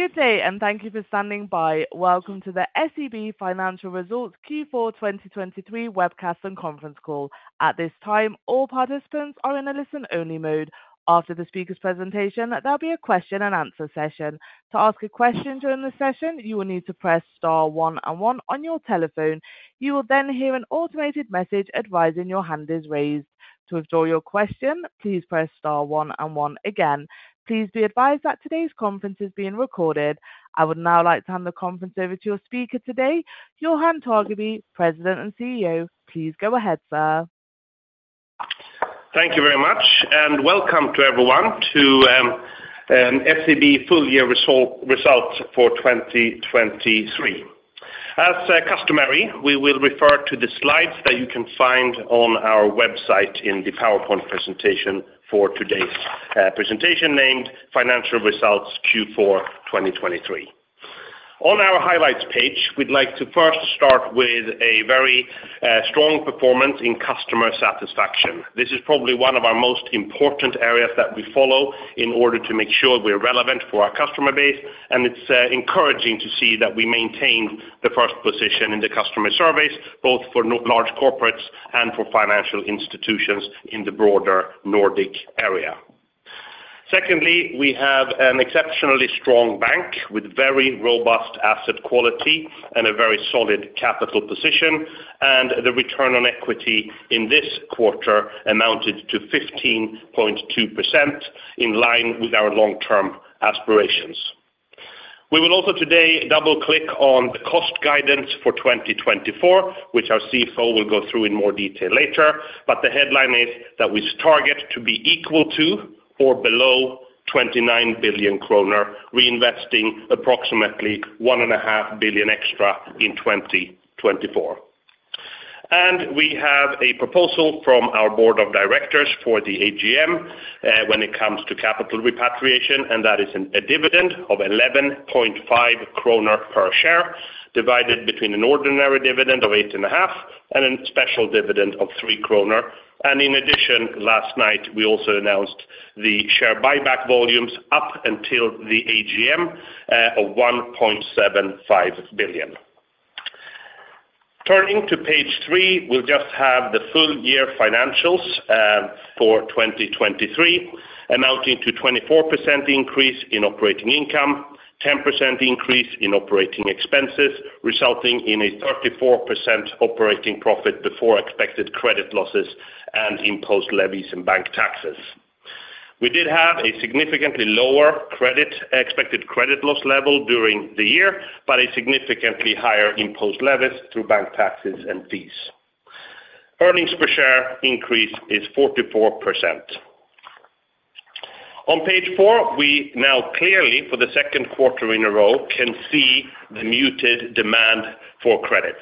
Good day, and thank you for standing by. Welcome to the SEB Financial Results Q4 2023 webcast and conference call. At this time, all participants are in a listen-only mode. After the speaker's presentation, there'll be a question-and-answer session. To ask a question during the session, you will need to press star one on one on your telephone. You will then hear an automated message advising your hand is raised. To withdraw your question, please press star one and one again. Please be advised that today's conference is being recorded. I would now like to hand the conference over to your speaker today, Johan Torgeby, President and CEO. Please go ahead, sir. Thank you very much, and welcome to everyone to SEB full year results for 2023. As customary, we will refer to the slides that you can find on our website in the PowerPoint presentation for today's presentation, named Financial Results Q4 2023. On our highlights page, we'd like to first start with a very strong performance in customer satisfaction. This is probably one of our most important areas that we follow in order to make sure we're relevant for our customer base, and it's encouraging to see that we maintain the first position in the customer surveys, both for Large Corporates and for Financial Institutions in the broader Nordic area. Secondly, we have an exceptionally strong bank with very robust asset quality and a very solid capital position, and the return on equity in this quarter amounted to 15.2%, in line with our long-term aspirations. We will also today double-click on the cost guidance for 2024, which our CFO will go through in more detail later. But the headline is that we target to be equal to or below 29 billion kronor, reinvesting approximately 1.5 billion extra in 2024. And we have a proposal from our board of directors for the AGM, when it comes to capital repatriation, and that is a dividend of 11.5 kronor per share, divided between an ordinary dividend of 8.5 and a special dividend of 3 kronor. In addition, last night, we also announced the share buyback volumes up until the AGM of 1.75 billion. Turning to page three, we'll just have the full-year financials for 2023, amounting to 24% increase in operating income, 10% increase in operating expenses, resulting in a 34% operating profit before expected credit losses and imposed levies and bank taxes. We did have a significantly lower expected credit loss level during the year, but a significantly higher imposed levies through bank taxes and fees. Earnings per share increase is 44%. On page four, we now clearly, for the second quarter in a row, can see the muted demand for credits.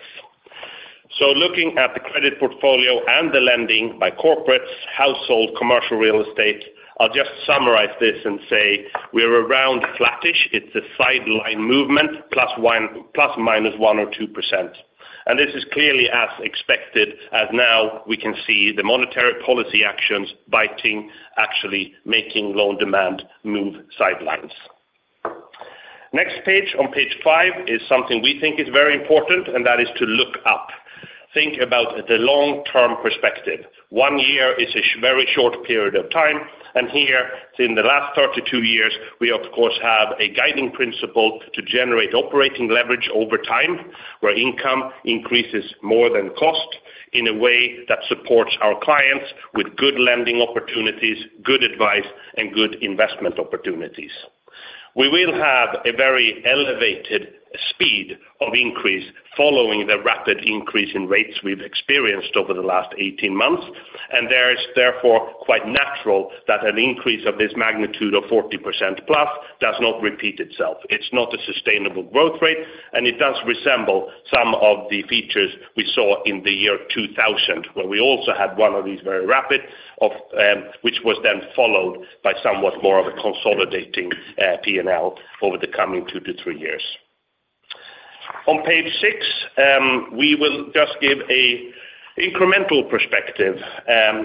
So looking at the credit portfolio and the lending by corporates, household, commercial real estate, I'll just summarize this and say we're around flattish. It's a sideline movement, plus one-- plus or minus 1% or 2%. And this is clearly as expected, as now we can see the monetary policy actions biting, actually making loan demand move sidelines. Next page, on page five, is something we think is very important, and that is to look up. Think about the long-term perspective. One year is a very short period of time, and here, in the last 32 years, we of course, have a guiding principle to generate operating leverage over time, where income increases more than cost in a way that supports our clients with good lending opportunities, good advice, and good investment opportunities. We will have a very elevated speed of increase following the rapid increase in rates we've experienced over the last 18 months, and there is therefore quite natural that an increase of this magnitude of 40%+ does not repeat itself. It's not a sustainable growth rate, and it does resemble some of the features we saw in the year 2000, where we also had one of these very rapid which was then followed by somewhat more of a consolidating P&L over the coming two to three years. On page six, we will just give an incremental perspective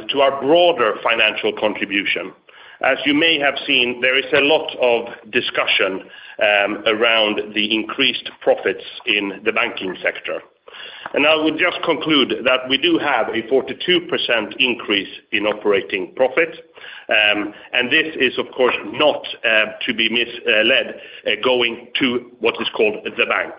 to our broader financial contribution. As you may have seen, there is a lot of discussion around the increased profits in the banking sector. I would just conclude that we do have a 42% increase in operating profit, and this is, of course, not to be misled, going to what is called the bank.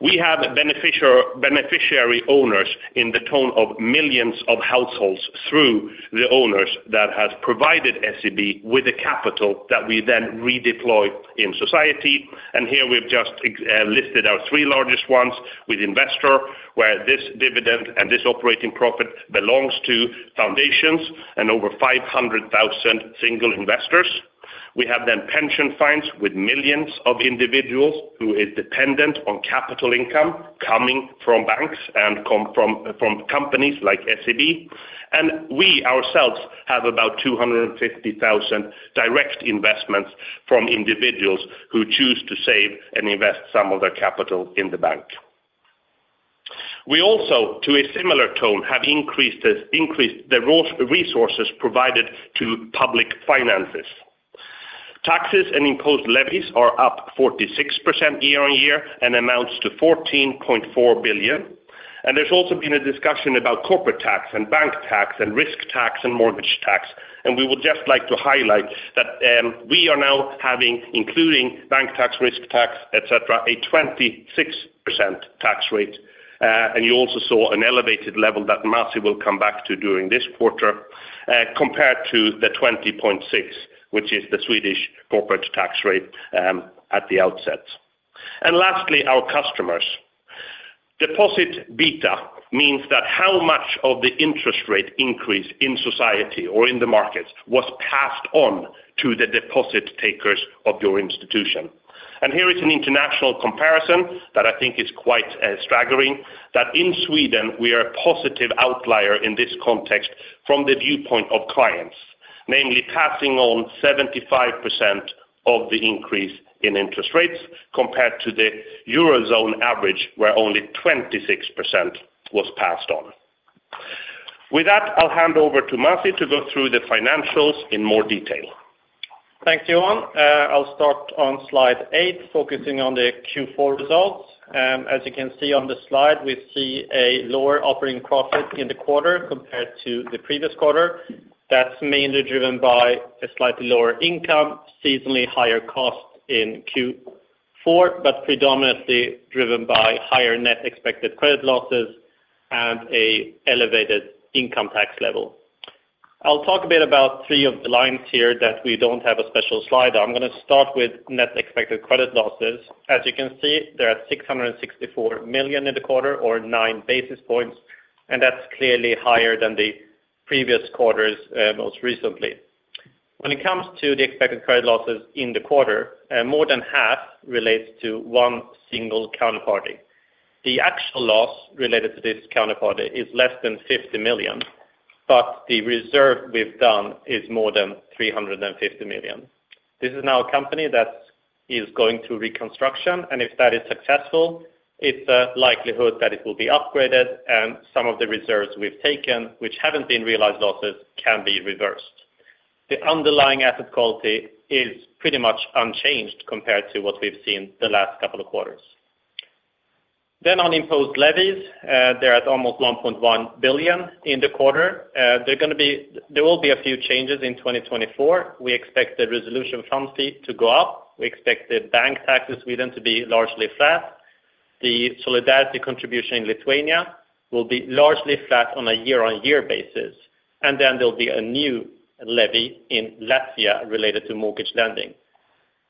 We have beneficiary owners to the tune of millions of households through the owners that have provided SEB with the capital that we then redeploy in society. And here we've just listed our three largest ones with Investor, where this dividend and this operating profit belongs to foundations and over 500,000 single investors. We have then pension funds with millions of individuals who is dependent on capital income coming from banks and from companies like SEB. And we ourselves have about 250,000 direct investments from individuals who choose to save and invest some of their capital in the bank. We also, to a similar tune, have increased those resources provided to public finances. Taxes and imposed levies are up 46% year-on-year and amounts to 14.4 billion. There's also been a discussion about corporate tax and bank tax, and risk tax, and mortgage tax. We would just like to highlight that we are now having, including bank tax, risk tax, et cetera, a 26% tax rate. You also saw an elevated level that Masih will come back to during this quarter, compared to the 20.6%, which is the Swedish corporate tax rate, at the outset. Lastly, our customers. Deposit beta means that how much of the interest rate increase in society or in the markets was passed on to the deposit takers of your institution. Here is an international comparison that I think is quite staggering, that in Sweden, we are a positive outlier in this context from the viewpoint of clients, namely passing on 75% of the increase in interest rates compared to the Eurozone average, where only 26% was passed on. With that, I'll hand over to Masih to go through the financials in more detail. Thanks, Johan. I'll start on slide eight, focusing on the Q4 results. As you can see on the slide, we see a lower operating profit in the quarter compared to the previous quarter. That's mainly driven by a slightly lower income, seasonally higher costs in Q4, but predominantly driven by higher net expected credit losses and an elevated income tax level. I'll talk a bit about three of the lines here that we don't have a special slide on. I'm gonna start with net expected credit losses. As you can see, there are 664 million in the quarter, or 9 basis points, and that's clearly higher than the previous quarters, most recently. When it comes to the expected credit losses in the quarter, more than half relates to one single counterparty. The actual loss related to this counterparty is less than 50 million, but the reserve we've done is more than 350 million. This is now a company that is going through reconstruction, and if that is successful, it's a likelihood that it will be upgraded, and some of the reserves we've taken, which haven't been realized losses, can be reversed. The underlying asset quality is pretty much unchanged compared to what we've seen the last couple of quarters. Then on imposed levies, they're at almost 1.1 billion in the quarter. There will be a few changes in 2024. We expect the Resolution Fund fee to go up. We expect the bank tax in Sweden to be largely flat. The solidarity contribution in Lithuania will be largely flat on a year-on-year basis, and then there'll be a new levy in Latvia related to mortgage lending.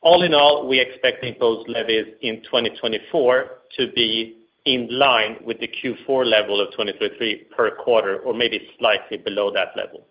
All in all, we expect the imposed levies in 2024 to be in line with the Q4 level of 2023 per quarter, or maybe slightly below that level.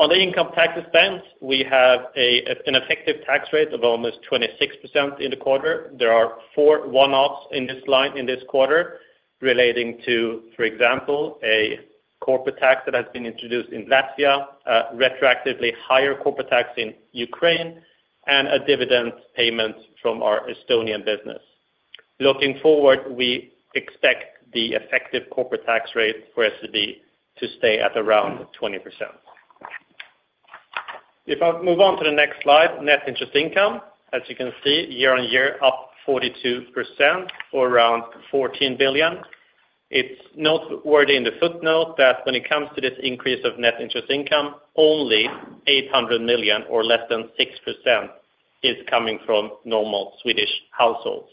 On the income tax expense, we have an effective tax rate of almost 26% in the quarter. There are four one-offs in this line in this quarter, relating to, for example, a corporate tax that has been introduced in Latvia, retroactively higher corporate tax in Ukraine, and a dividend payment from our Estonian business. Looking forward, we expect the effective corporate tax rate for SEB to stay at around 20%. If I move on to the next slide, net interest income. As you can see, year-on-year, up 42% or around 14 billion. It's noteworthy in the footnote that when it comes to this increase of net interest income, only 800 million or less than 6% is coming from normal Swedish households.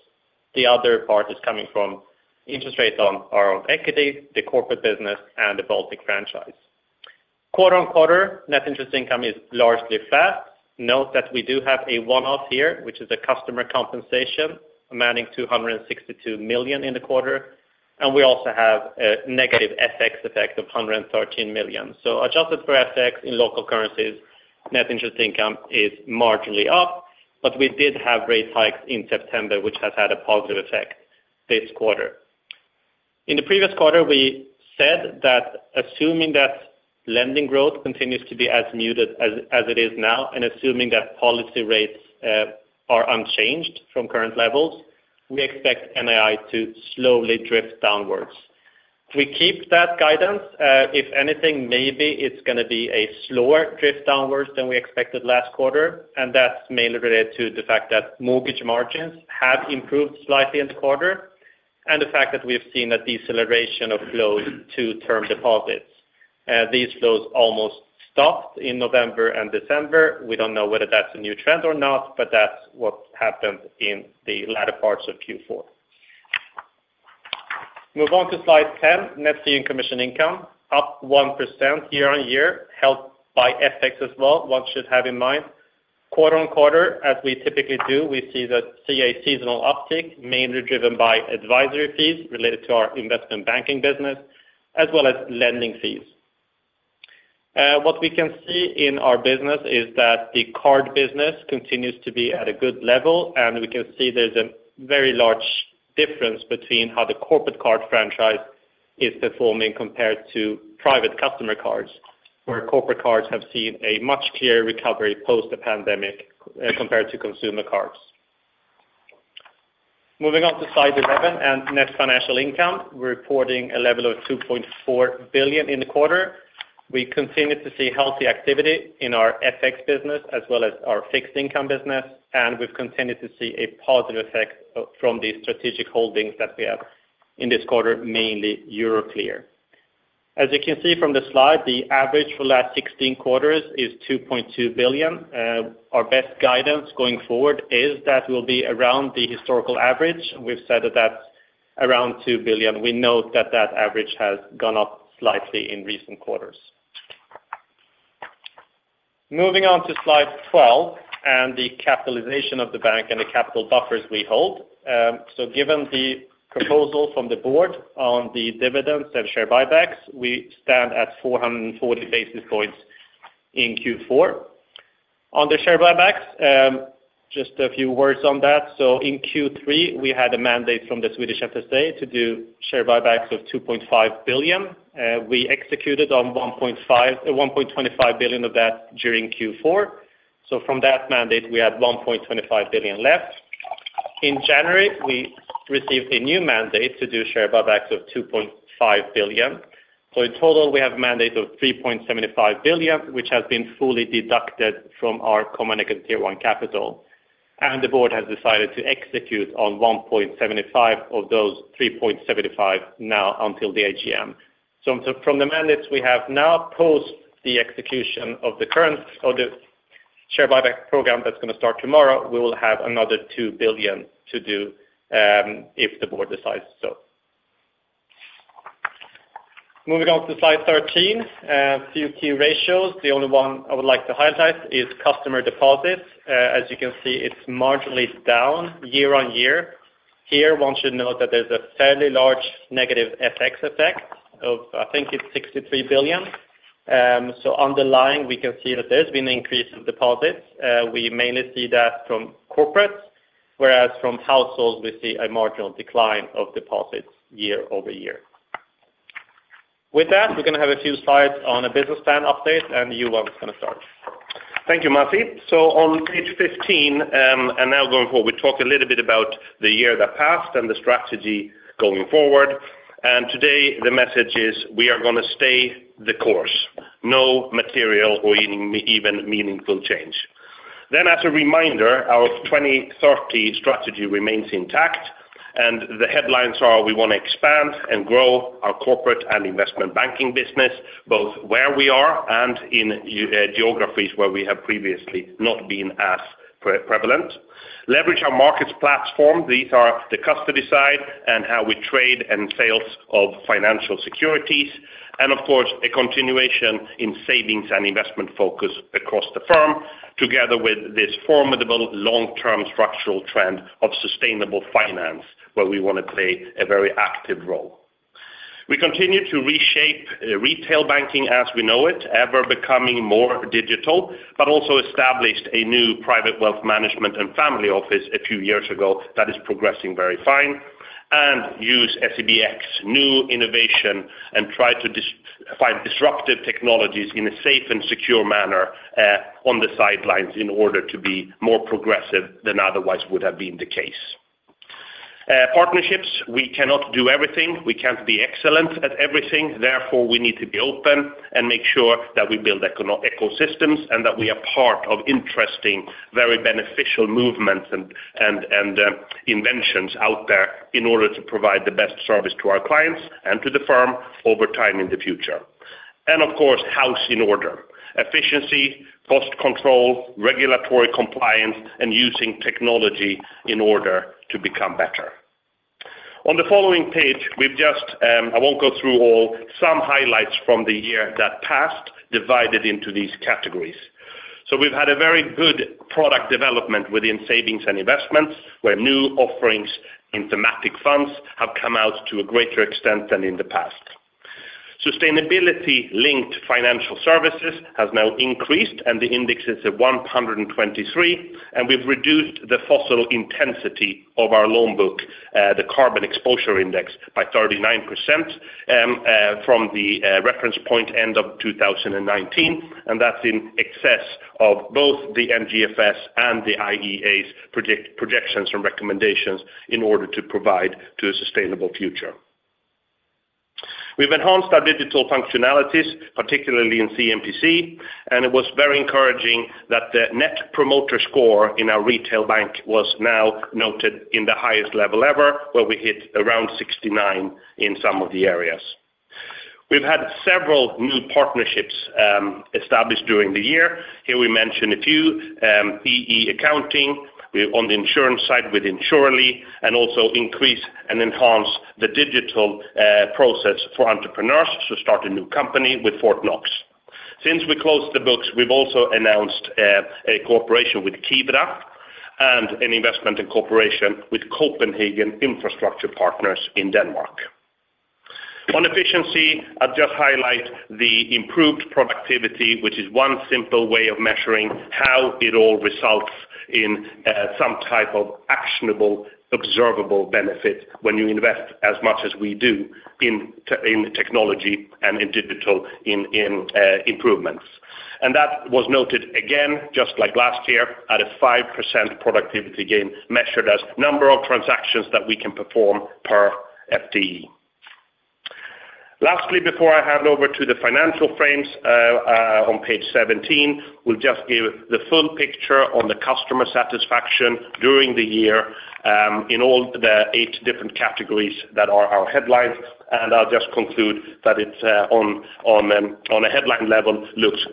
The other part is coming from interest rates on our own equity, the corporate business, and the Baltic franchise. Quarter-on-quarter, net interest income is largely flat. Note that we do have a one-off here, which is a customer compensation amounting to 162 million in the quarter, and we also have a negative FX effect of 113 million. So adjusted for FX in local currencies, net interest income is marginally up, but we did have rate hikes in September, which has had a positive effect this quarter. In the previous quarter, we said that assuming that lending growth continues to be as muted as, as it is now, and assuming that policy rates are unchanged from current levels, we expect NII to slowly drift downwards. We keep that guidance. If anything, maybe it's gonna be a slower drift downwards than we expected last quarter, and that's mainly related to the fact that mortgage margins have improved slightly in the quarter, and the fact that we have seen a deceleration of flows to term deposits. These flows almost stopped in November and December. We don't know whether that's a new trend or not, but that's what happened in the latter parts of Q4. Move on to slide 10, net fee and commission income, up 1% year-on-year, helped by FX as well, one should have in mind. Quarter-over-quarter, as we typically do, we see that a seasonal uptick, mainly driven by advisory fees related to our investment banking business, as well as lending fees. What we can see in our business is that the card business continues to be at a good level, and we can see there's a very large difference between how the corporate card franchise is performing compared to private customer cards, where corporate cards have seen a much clearer recovery post the pandemic, compared to consumer cards. Moving on to slide 11 and net financial income, we're reporting a level of 2.4 billion in the quarter. We continue to see healthy activity in our FX business as well as our fixed income business, and we've continued to see a positive effect from the strategic holdings that we have in this quarter, mainly Euroclear. As you can see from the slide, the average for the last 16 quarters is 2.2 billion. Our best guidance going forward is that will be around the historical average. We've said that that's around 2 billion. We note that that average has gone up slightly in recent quarters. Moving on to slide 12, and the capitalization of the bank and the capital buffers we hold. So given the proposal from the board on the dividends and share buybacks, we stand at 440 basis points in Q4. On the share buybacks, just a few words on that. So in Q3, we had a mandate from the Swedish FSA to do share buybacks of 2.5 billion. We executed on 1.5, 1.25 billion of that during Q4. So from that mandate, we had 1.25 billion left. In January, we received a new mandate to do share buybacks of 2.5 billion. So in total, we have a mandate of 3.75 billion, which has been fully deducted from our Common Equity Tier 1 capital, and the board has decided to execute on 1.75 billion of those 3.75 billion now until the AGM. So from the mandates we have now post the execution of the current share buyback program that's gonna start tomorrow, we will have another 2 billion to do, if the board decides so. Moving on to slide 13, a few key ratios. The only one I would like to highlight is customer deposits. As you can see, it's marginally down year-over-year. Here, one should note that there's a fairly large negative FX effect of, I think it's 63 billion. So underlying, we can see that there's been an increase in deposits. We mainly see that from corporates, whereas from households, we see a marginal decline of deposits year-over-year. With that, we're gonna have a few slides on a business plan update, and Johan is gonna start. Thank you, Masih. On page 15, and now going forward, we talk a little bit about the year that passed and the strategy going forward. Today, the message is we are gonna stay the course, no material or even meaningful change. As a reminder, our 2030 strategy remains intact, and the headlines are we want to expand and grow our corporate and investment banking business, both where we are and in geographies where we have previously not been as prevalent. Leverage our markets platform. These are the custody side and how we trade and sales of financial securities, and of course, a continuation in savings and investment focus across the firm, together with this formidable long-term structural trend of sustainable finance, where we want to play a very active role. We continue to reshape retail banking as we know it, ever becoming more digital, but also established a new Private Wealth Management & Family Office a few years ago that is progressing very fine, and use SEBx new innovation and try to find disruptive technologies in a safe and secure manner, on the sidelines in order to be more progressive than otherwise would have been the case. Partnerships, we cannot do everything. We can't be excellent at everything. Therefore, we need to be open and make sure that we build ecosystems, and that we are part of interesting, very beneficial movements and inventions out there in order to provide the best service to our clients and to the firm over time in the future. Of course, house in order, efficiency, cost control, regulatory compliance, and using technology in order to become better. On the following page, we've just, I won't go through all, some highlights from the year that passed, divided into these categories. We've had a very good product development within savings and investments, where new offerings in thematic funds have come out to a greater extent than in the past. Sustainability-linked financial services has now increased, and the index is at 123, and we've reduced the fossil intensity of our loan book, the carbon exposure index, by 39%, from the reference point end of 2019, and that's in excess of both the NGFS and the IEA's projections and recommendations in order to provide to a sustainable future. We've enhanced our digital functionalities, particularly in C&PC, and it was very encouraging that the Net Promoter Score in our retail bank was now noted in the highest level ever, where we hit around 69 in some of the areas. We've had several new partnerships established during the year. Here we mention a few, PE Accounting, we're on the insurance side with Insurely, and also increase and enhance the digital process for entrepreneurs to start a new company with Fortnox. Since we closed the books, we've also announced a cooperation with Kivra and an investment in cooperation with Copenhagen Infrastructure Partners in Denmark. On efficiency, I'll just highlight the improved productivity, which is one simple way of measuring how it all results in some type of actionable, observable benefit when you invest as much as we do in technology and in digital improvements. And that was noted again, just like last year, at a 5% productivity gain, measured as number of transactions that we can perform per FTE. Lastly, before I hand over to the financials, on page 17, we'll just give the full picture on the customer satisfaction during the year, in all the eight different categories that are our headlines. And I'll just conclude that it's on a headline level, looks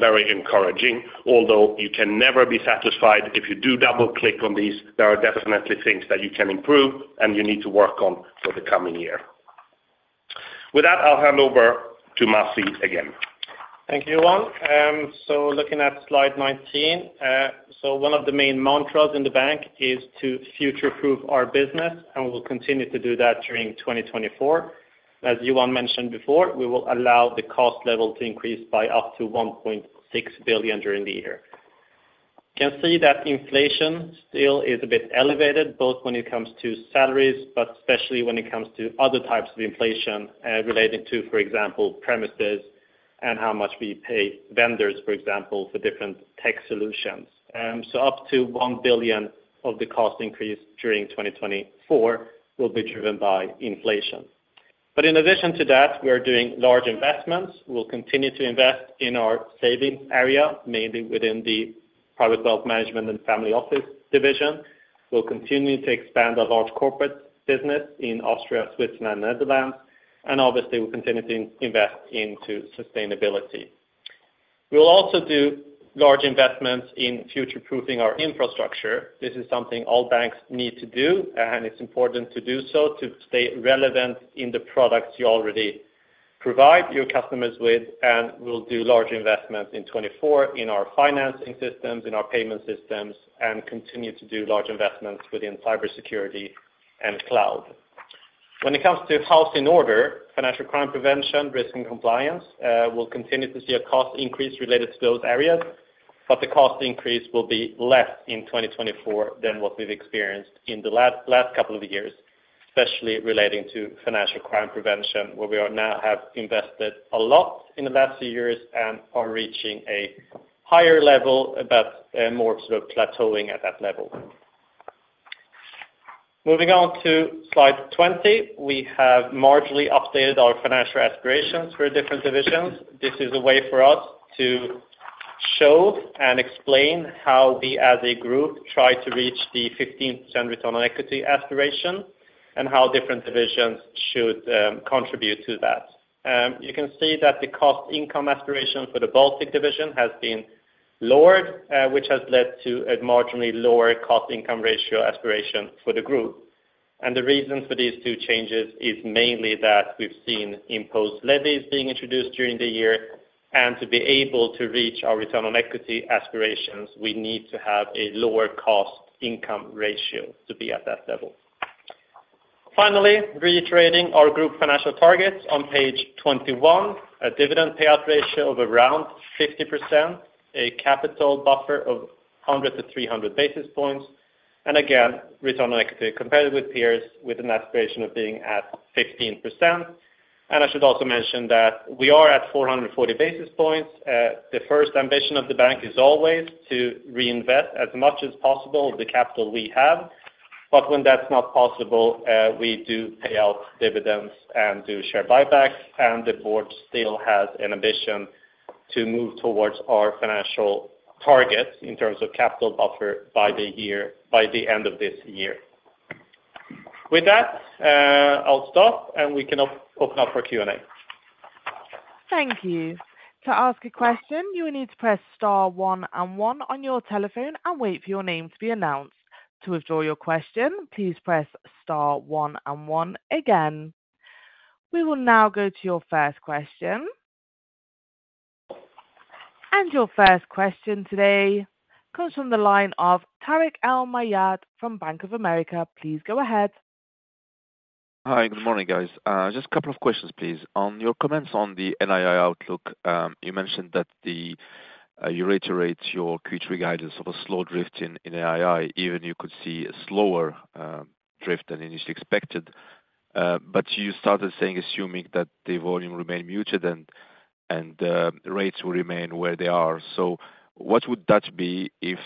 very encouraging. Although you can never be satisfied, if you do double-click on these, there are definitely things that you can improve and you need to work on for the coming year. With that, I'll hand over to Masih again. Thank you, Johan. So looking at slide 19, so one of the main mantras in the bank is to future-proof our business, and we'll continue to do that during 2024. As Johan mentioned before, we will allow the cost level to increase by up to 1.6 billion during the year. You can see that inflation still is a bit elevated, both when it comes to salaries, but especially when it comes to other types of inflation, relating to, for example, premises and how much we pay vendors, for example, for different tech solutions. So up to 1 billion of the cost increase during 2024 will be driven by inflation. But in addition to that, we are doing large investments. We'll continue to invest in our savings area, mainly within the Private Wealth Management & Family Office division. We'll continue to expand our Large Corporate business in Austria, Switzerland, and Netherlands, and obviously, we'll continue to invest into sustainability. We'll also do large investments in future-proofing our infrastructure. This is something all banks need to do, and it's important to do so to stay relevant in the products you already provide your customers with, and we'll do large investments in 2024 in our financing systems, in our payment systems, and continue to do large investments within cybersecurity and cloud. When it comes to house in order, financial crime prevention, risk and compliance, we'll continue to see a cost increase related to those areas, but the cost increase will be less in 2024 than what we've experienced in the last, last couple of years, especially relating to financial crime prevention, where we are now have invested a lot in the last few years and are reaching a higher level, but, more sort of plateauing at that level. Moving on to slide 20, we have marginally updated our financial aspirations for different divisions. This is a way for us to show and explain how we, as a group, try to reach the 15% return on equity aspiration and how different divisions should contribute to that. You can see that the cost income aspiration for the Baltic division has been lowered, which has led to a marginally lower cost-income ratio aspiration for the group. The reason for these two changes is mainly that we've seen imposed levies being introduced during the year, and to be able to reach our return on equity aspirations, we need to have a lower cost-income ratio to be at that level. Finally, reiterating our group financial targets on page 21, a dividend payout ratio of around 50%, a capital buffer of 100-300 basis points, and again, return on equity, compared with peers, with an aspiration of being at 15%. I should also mention that we are at 440 basis points. The first ambition of the bank is always to reinvest as much as possible the capital we have, but when that's not possible, we do pay out dividends and do share buybacks, and the board still has an ambition to move towards our financial targets in terms of capital buffer by the year... By the end of this year. With that, I'll stop, and we can open up for Q&A. Thank you. To ask a question, you will need to press star one and one on your telephone and wait for your name to be announced. To withdraw your question, please press star one and one again. We will now go to your first question. Your first question today comes from the line of Tarik El Mejjad from Bank of America. Please go ahead. Hi, good morning, guys. Just a couple of questions, please. On your comments on the NII outlook, you mentioned that the you reiterate your Q3 guidance of a slow drift in NII, even you could see a slower drift than initially expected. But you started saying, assuming that the volume remain muted and rates will remain where they are. So what would that be if,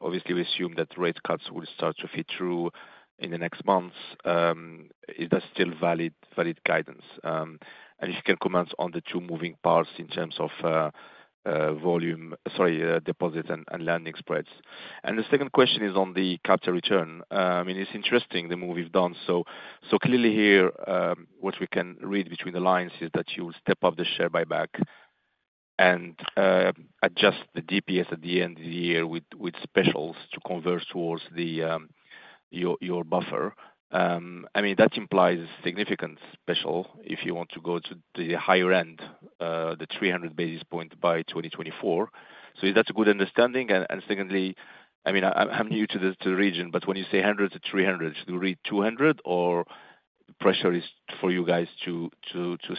obviously, we assume that rate cuts will start to feed through in the next months? Is that still valid guidance? And if you can comment on the two moving parts in terms of volume, sorry, deposit and lending spreads. And the second question is on the capital return. I mean, it's interesting, the move you've done. So clearly here, what we can read between the lines is that you will step up the share buyback and adjust the DPS at the end of the year with specials to convert towards your buffer. I mean, that implies significant special if you want to go to the higher end the 300 basis point by 2024. So is that a good understanding? And secondly, I mean, I'm new to the region, but when you say 100-300, should we read 200, or pressure is for you guys to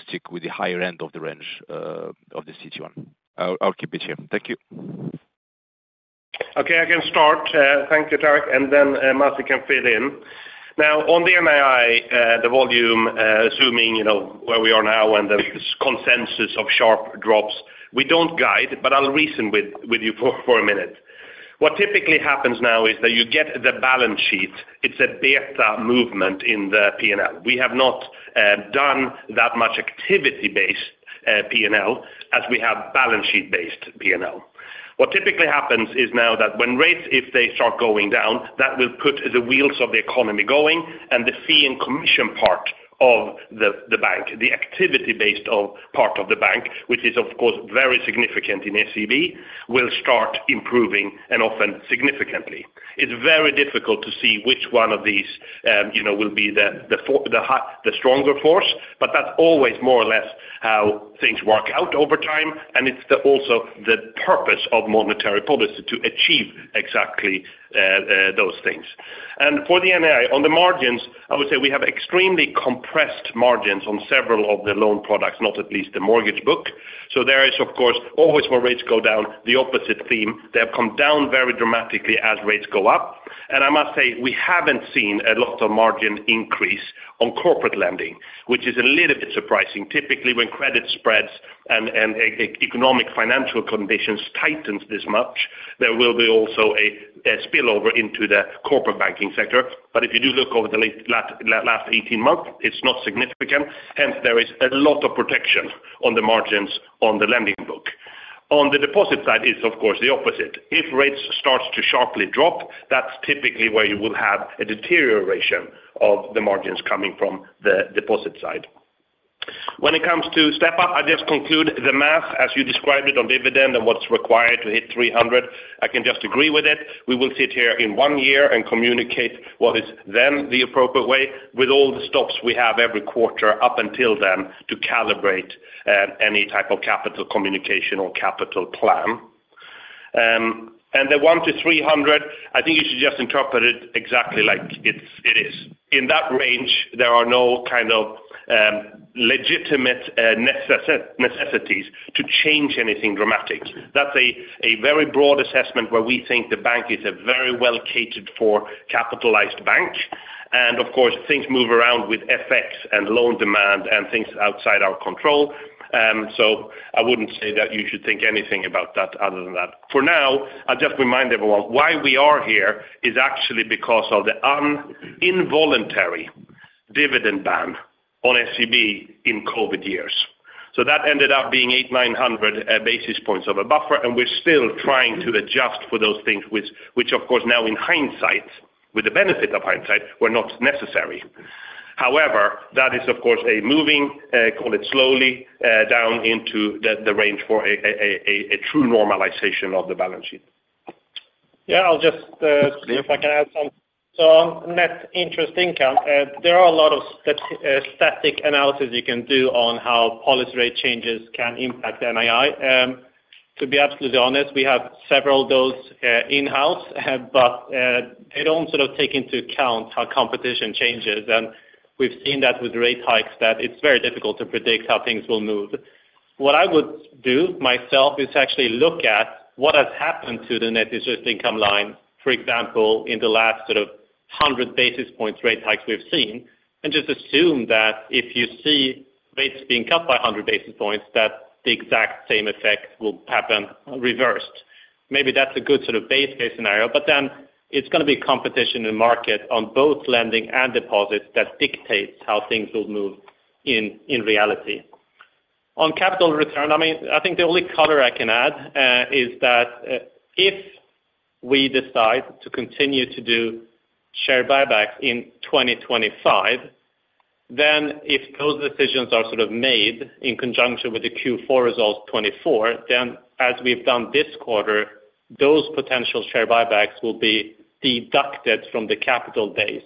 stick with the higher end of the range of the situation? I'll keep it here. Thank you.... Okay, I can start. Thank you, Tarik, and then, Masih can fill in. Now, on the NII, the volume, assuming, you know, where we are now and the consensus of sharp drops, we don't guide, but I'll reason with, with you for, for a minute. What typically happens now is that you get the balance sheet. It's a beta movement in the P&L. We have not, done that much activity-based, P&L, as we have balance sheet-based P&L. What typically happens is now that when rates, if they start going down, that will put the wheels of the economy going and the fee and commission part of the, the bank, the activity-based of part of the bank, which is, of course, very significant in SEB, will start improving and often significantly. It's very difficult to see which one of these, you know, will be the stronger force, but that's always more or less how things work out over time, and it's also the purpose of monetary policy to achieve exactly those things. And for the NII, on the margins, I would say we have extremely compressed margins on several of the loan products, not least the mortgage book. So there is, of course, always when rates go down, the opposite theme. They have come down very dramatically as rates go up. And I must say, we haven't seen a lot of margin increase on corporate lending, which is a little bit surprising. Typically, when credit spreads and economic financial conditions tightens this much, there will also be a spillover into the corporate banking sector. But if you do look over the last 18 months, it's not significant, hence there is a lot of protection on the margins on the lending book. On the deposit side, it's of course, the opposite. If rates starts to sharply drop, that's typically where you will have a deterioration of the margins coming from the deposit side. When it comes to step up, I just conclude the math, as you described it, on dividend and what's required to hit 300, I can just agree with it. We will sit here in one year and communicate what is then the appropriate way with all the stops we have every quarter up until then to calibrate, any type of capital communication or capital plan. And the 100-300, I think you should just interpret it exactly like it's, it is. In that range, there are no kind of legitimate necessities to change anything dramatic. That's a very broad assessment where we think the bank is a very well catered for capitalized bank. And of course, things move around with FX and loan demand and things outside our control. So I wouldn't say that you should think anything about that other than that. For now, I'll just remind everyone, why we are here is actually because of the involuntary dividend ban on SEB in COVID years. So that ended up being 800-900 basis points of a buffer, and we're still trying to adjust for those things, which, of course, now in hindsight, with the benefit of hindsight, were not necessary. However, that is, of course, a moving, call it slowly, down into the range for a true normalization of the balance sheet. Yeah, I'll just if I can add some. So on net interest income, there are a lot of static analysis you can do on how policy rate changes can impact NII. To be absolutely honest, we have several of those in-house, but they don't sort of take into account how competition changes. And we've seen that with rate hikes, that it's very difficult to predict how things will move. What I would do myself is actually look at what has happened to the net interest income line, for example, in the last sort of 100 basis points rate hikes we've seen, and just assume that if you see rates being cut by 100 basis points, that the exact same effect will happen reversed. Maybe that's a good sort of base case scenario, but then it's gonna be competition in the market on both lending and deposits that dictates how things will move in, in reality. On capital return, I mean, I think the only color I can add is that if we decide to continue to do share buybacks in 2025, then if those decisions are sort of made in conjunction with the Q4 results 2024, then as we've done this quarter, those potential share buybacks will be deducted from the capital base.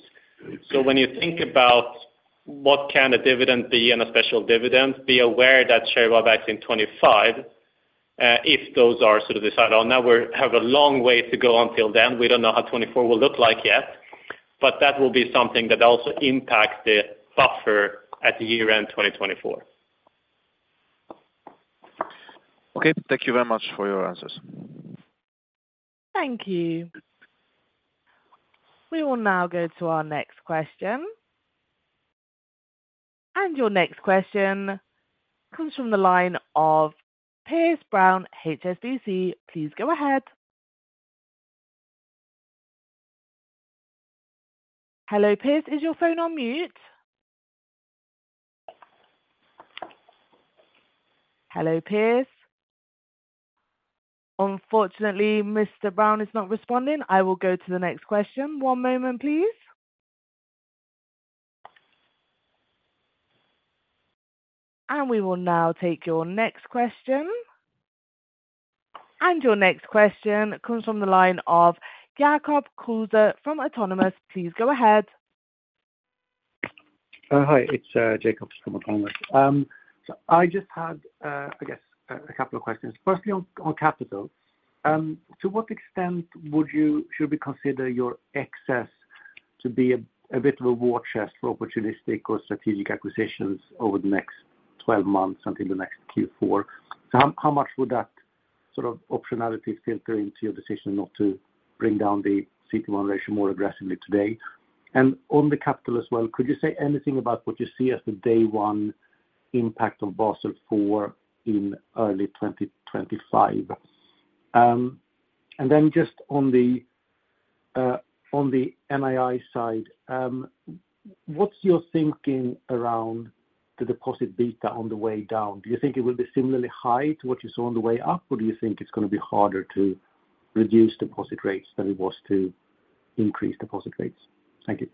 So when you think about what can a dividend be and a special dividend, be aware that share buybacks in 2025 if those are sort of decided on. Now, we have a long way to go until then. We don't know how 2024 will look like yet, but that will be something that also impacts the buffer at year-end 2024. Okay. Thank you very much for your answers. Thank you. We will now go to our next question. Your next question comes from the line of Piers Brown, HSBC. Please go ahead. Hello, Piers. Is your phone on mute? Hello, Piers? Unfortunately, Mr. Brown is not responding. I will go to the next question. One moment, please. We will now take your next question. Your next question comes from the line of Jacob Kruse from Autonomous. Please go ahead. Hi, it's Jacob from Autonomous. So I just had, I guess, a couple of questions. First, on capital, to what extent should we consider your excess to be a bit of a war chest for opportunistic or strategic acquisitions over the next 12 months until the next Q4. So how much would that sort of optionality filter into your decision not to bring down the CET1 ratio more aggressively today? And on the capital as well, could you say anything about what you see as the day one impact of Basel IV in early 2025? And then just on the NII side, what's your thinking around the deposit beta on the way down? Do you think it will be similarly high to what you saw on the way up, or do you think it's gonna be harder to reduce deposit rates than it was to increase deposit rates? Thank you.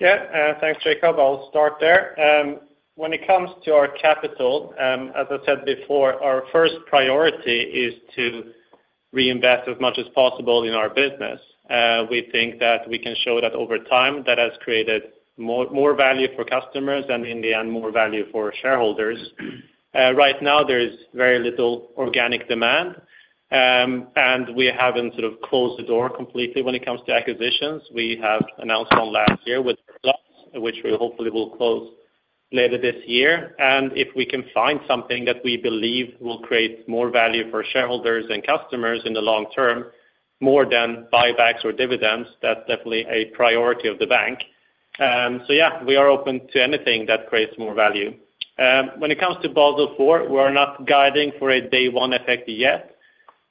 Yeah, thanks, Jacob. I'll start there. When it comes to our capital, as I said before, our first priority is to reinvest as much as possible in our business. We think that we can show that over time, that has created more, more value for customers and, in the end, more value for shareholders. Right now, there is very little organic demand, and we haven't sort of closed the door completely when it comes to acquisitions. We have announced one last year with AirPlus, which we hopefully will close later this year, and if we can find something that we believe will create more value for shareholders and customers in the long term, more than buybacks or dividends, that's definitely a priority of the bank. So yeah, we are open to anything that creates more value. When it comes to Basel IV, we are not guiding for a day one effect yet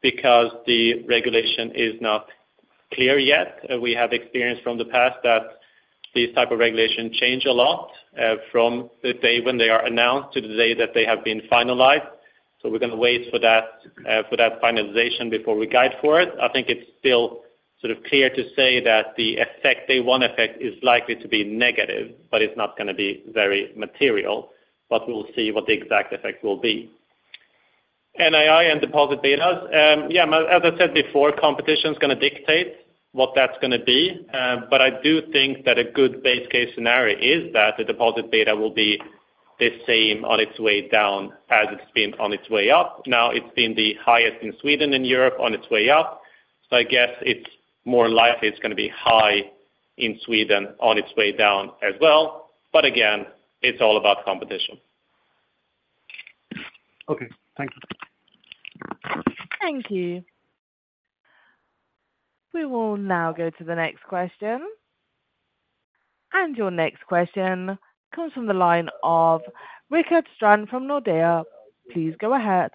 because the regulation is not clear yet. We have experienced from the past that these type of regulations change a lot, from the day when they are announced to the day that they have been finalized. So we're gonna wait for that, for that finalization before we guide for it. I think it's still sort of clear to say that the effect, day one effect, is likely to be negative, but it's not gonna be very material. But we'll see what the exact effect will be. NII and deposit betas, yeah, as I said before, competition's gonna dictate what that's gonna be. But I do think that a good base case scenario is that the deposit beta will be the same on its way down as it's been on its way up. Now, it's been the highest in Sweden and Europe on its way up, so I guess it's more likely it's gonna be high in Sweden on its way down as well. But again, it's all about competition. Okay, thank you. Thank you. We will now go to the next question. Your next question comes from the line of Rickard Strand from Nordea. Please go ahead.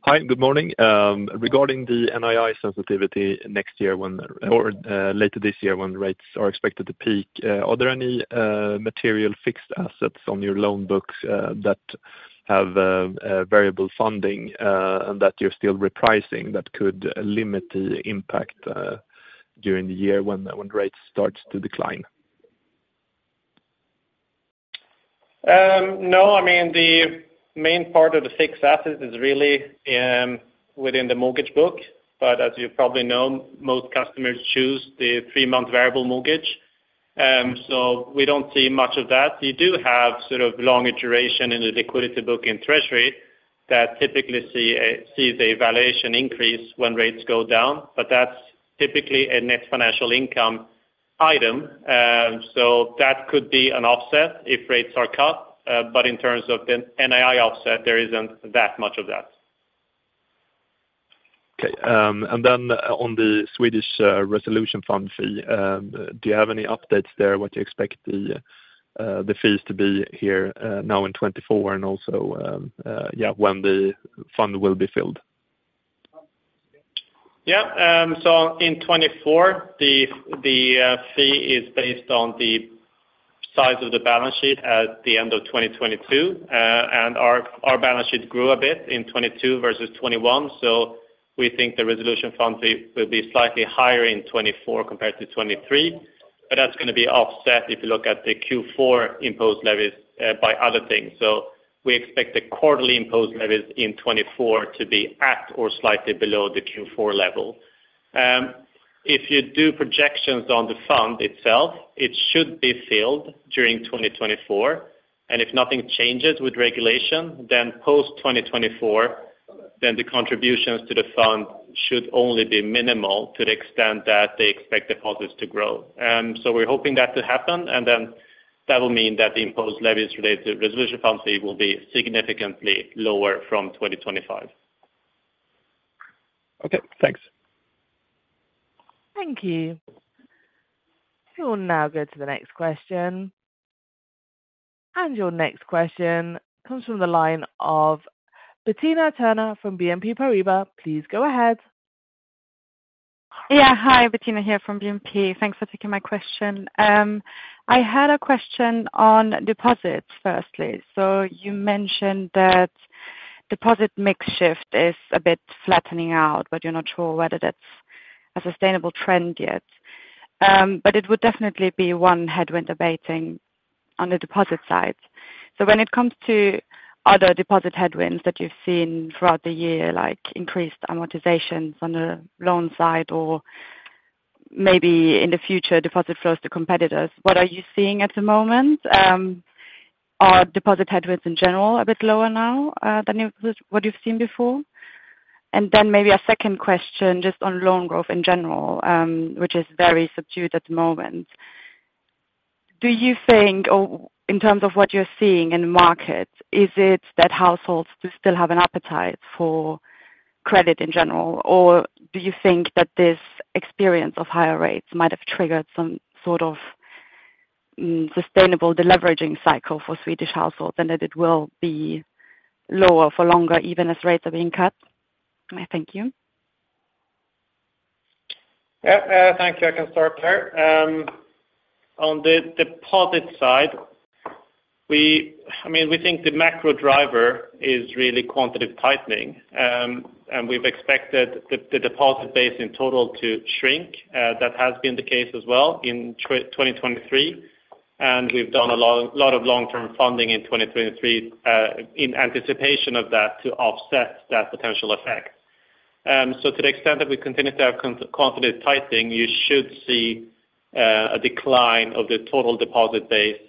Hi, good morning. Regarding the NII sensitivity next year when, or, later this year when rates are expected to peak, are there any material fixed assets on your loan books that have a variable funding, and that you're still repricing that could limit the impact during the year when rates start to decline? No, I mean, the main part of the fixed asset is really within the mortgage book, but as you probably know, most customers choose the three-month variable mortgage. So we don't see much of that. You do have sort of longer duration in the liquidity book in treasury that typically sees a valuation increase when rates go down, but that's typically a net financial income item. So that could be an offset if rates are cut, but in terms of an NII offset, there isn't that much of that. Okay, and then on the Swedish Resolution Fund fee, do you have any updates there, what you expect the fees to be here now in 2024 and also yeah, when the fund will be filled? Yeah, so in 2024, the fee is based on the size of the balance sheet at the end of 2022. And our balance sheet grew a bit in 2022 versus 2021, so we think the Resolution Fund fee will be slightly higher in 2024 compared to 2023. But that's gonna be offset if you look at the Q4 imposed levies, by other things. So we expect the quarterly imposed levies in 2024 to be at or slightly below the Q4 level. If you do projections on the fund itself, it should be filled during 2024, and if nothing changes with regulation, then post 2024, the contributions to the fund should only be minimal to the extent that they expect deposits to grow. So, we're hoping that to happen, and then that will mean that the imposed levies related to Resolution Fund fee will be significantly lower from 2025. Okay, thanks. Thank you. We will now go to the next question. Your next question comes from the line of Bettina Thurner from BNP Paribas Exane. Please go ahead. Yeah, hi, Bettina here from BNP. Thanks for taking my question. I had a question on deposits firstly. So you mentioned that deposit mix shift is a bit flattening out, but you're not sure whether that's a sustainable trend yet. But it would definitely be one headwind abating on the deposit side. So when it comes to other deposit headwinds that you've seen throughout the year, like increased amortizations on the loan side, or maybe in the future, deposit flows to competitors, what are you seeing at the moment? Are deposit headwinds in general a bit lower now than what you've seen before? And then maybe a second question, just on loan growth in general, which is very subdued at the moment. Do you think, or in terms of what you're seeing in the market, is it that households do still have an appetite for credit in general? Or do you think that this experience of higher rates might have triggered some sort of sustainable deleveraging cycle for Swedish households, and that it will be lower for longer, even as rates are being cut? Thank you. Yeah, thank you. I can start there. On the deposit side, we—I mean, we think the macro driver is really quantitative tightening. And we've expected the deposit base in total to shrink; that has been the case as well in 2023, and we've done a lot of long-term funding in 2023, in anticipation of that, to offset that potential effect. So to the extent that we continue to have quantitative tightening, you should see a decline of the total deposit base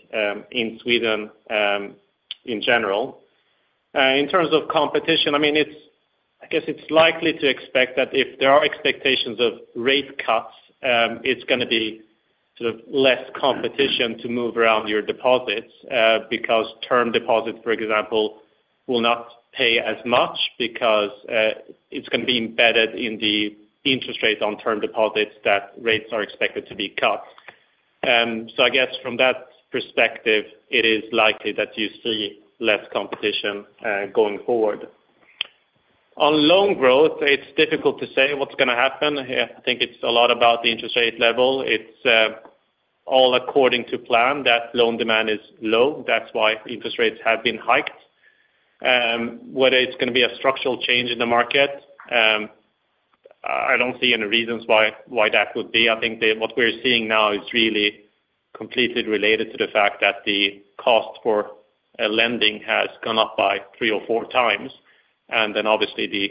in Sweden, in general. In terms of competition, I mean, it's likely to expect that if there are expectations of rate cuts, it's gonna be sort of less competition to move around your deposits, because term deposits, for example, will not pay as much because it's gonna be embedded in the interest rate on term deposits, that rates are expected to be cut. So I guess from that perspective, it is likely that you see less competition going forward. On loan growth, it's difficult to say what's gonna happen. I think it's a lot about the interest rate level. It's all according to plan, that loan demand is low, that's why interest rates have been hiked. Whether it's gonna be a structural change in the market, I don't see any reasons why that would be. I think the... What we're seeing now is really completely related to the fact that the cost for a lending has gone up by 3x or 4x, and then obviously the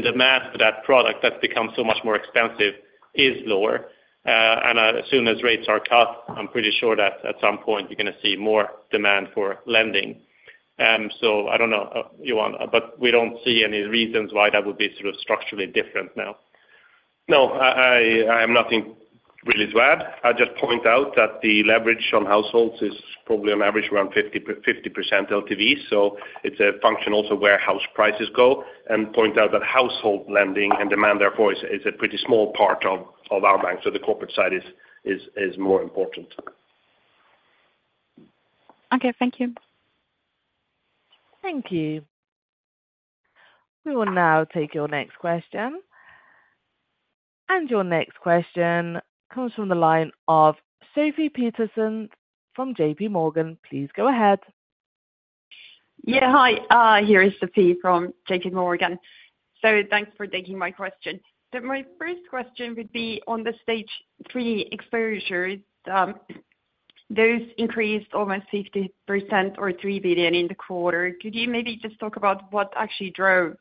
demand for that product that's become so much more expensive is lower. And as soon as rates are cut, I'm pretty sure that at some point you're gonna see more demand for lending. So I don't know, Johan, but we don't see any reasons why that would be sort of structurally different now. No, I'm nothing really to add. I'll just point out that the leverage on households is probably on average around 50% LTV, so it's a function also where house prices go, and point out that household lending and demand therefore is a pretty small part of our bank, so the corporate side is more important. Okay, thank you. Thank you. We will now take your next question. Your next question comes from the line of Sofie Peterzens from J.P. Morgan. Please go ahead. Yeah, hi, here is Sofie from J.P. Morgan. Thanks for taking my question. My first question would be on the Stage 3 exposures, those increased almost 50% or 3 billion in the quarter. Could you maybe just talk about what actually drove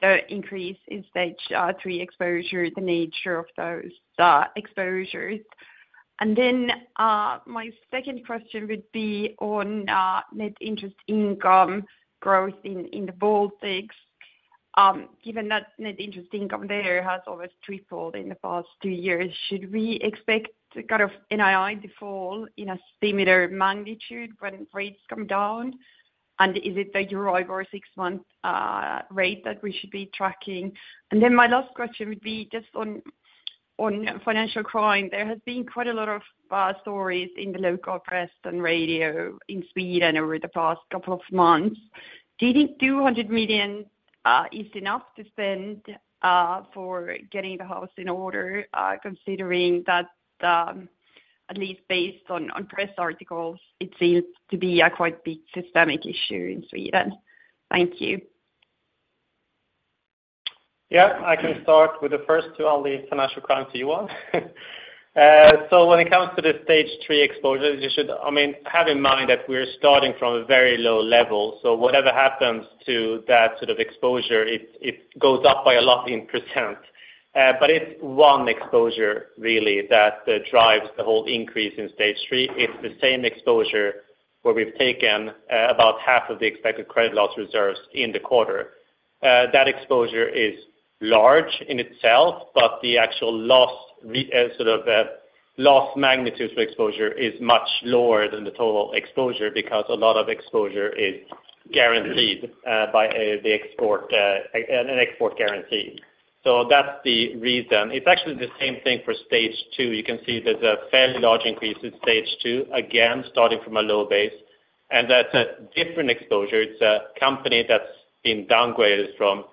the increase in Stage 3 exposure, the nature of those exposures? And then my second question would be on net interest income growth in the Baltics. Given that net interest income there has almost tripled in the past two years, should we expect kind of NII to fall in a similar magnitude when rates come down? And is it the Euribor six-month rate that we should be tracking? And then my last question would be just on financial crime. There has been quite a lot of stories in the local press and radio in Sweden over the past couple of months. Do you think 200 million is enough to spend for getting the house in order, considering that at least based on press articles, it seems to be a quite big systemic issue in Sweden? Thank you. Yeah, I can start with the first two on the financial crime, Johan. So when it comes to the Stage 3 exposures, you should, I mean, have in mind that we're starting from a very low level, so whatever happens to that sort of exposure, it goes up by a lot in percent. But it's one exposure really that drives the whole increase in Stage 3. It's the same exposure where we've taken about half of the expected credit loss reserves in the quarter. That exposure is large in itself, but the actual loss, sort of, loss magnitude to exposure is much lower than the total exposure, because a lot of exposure is guaranteed by the export, an export guarantee. So that's the reason. It's actually the same thing for Stage 2. You can see there's a fairly large increase in Stage 2, again, starting from a low base, and that's a different exposure. It's a company that's been downgraded from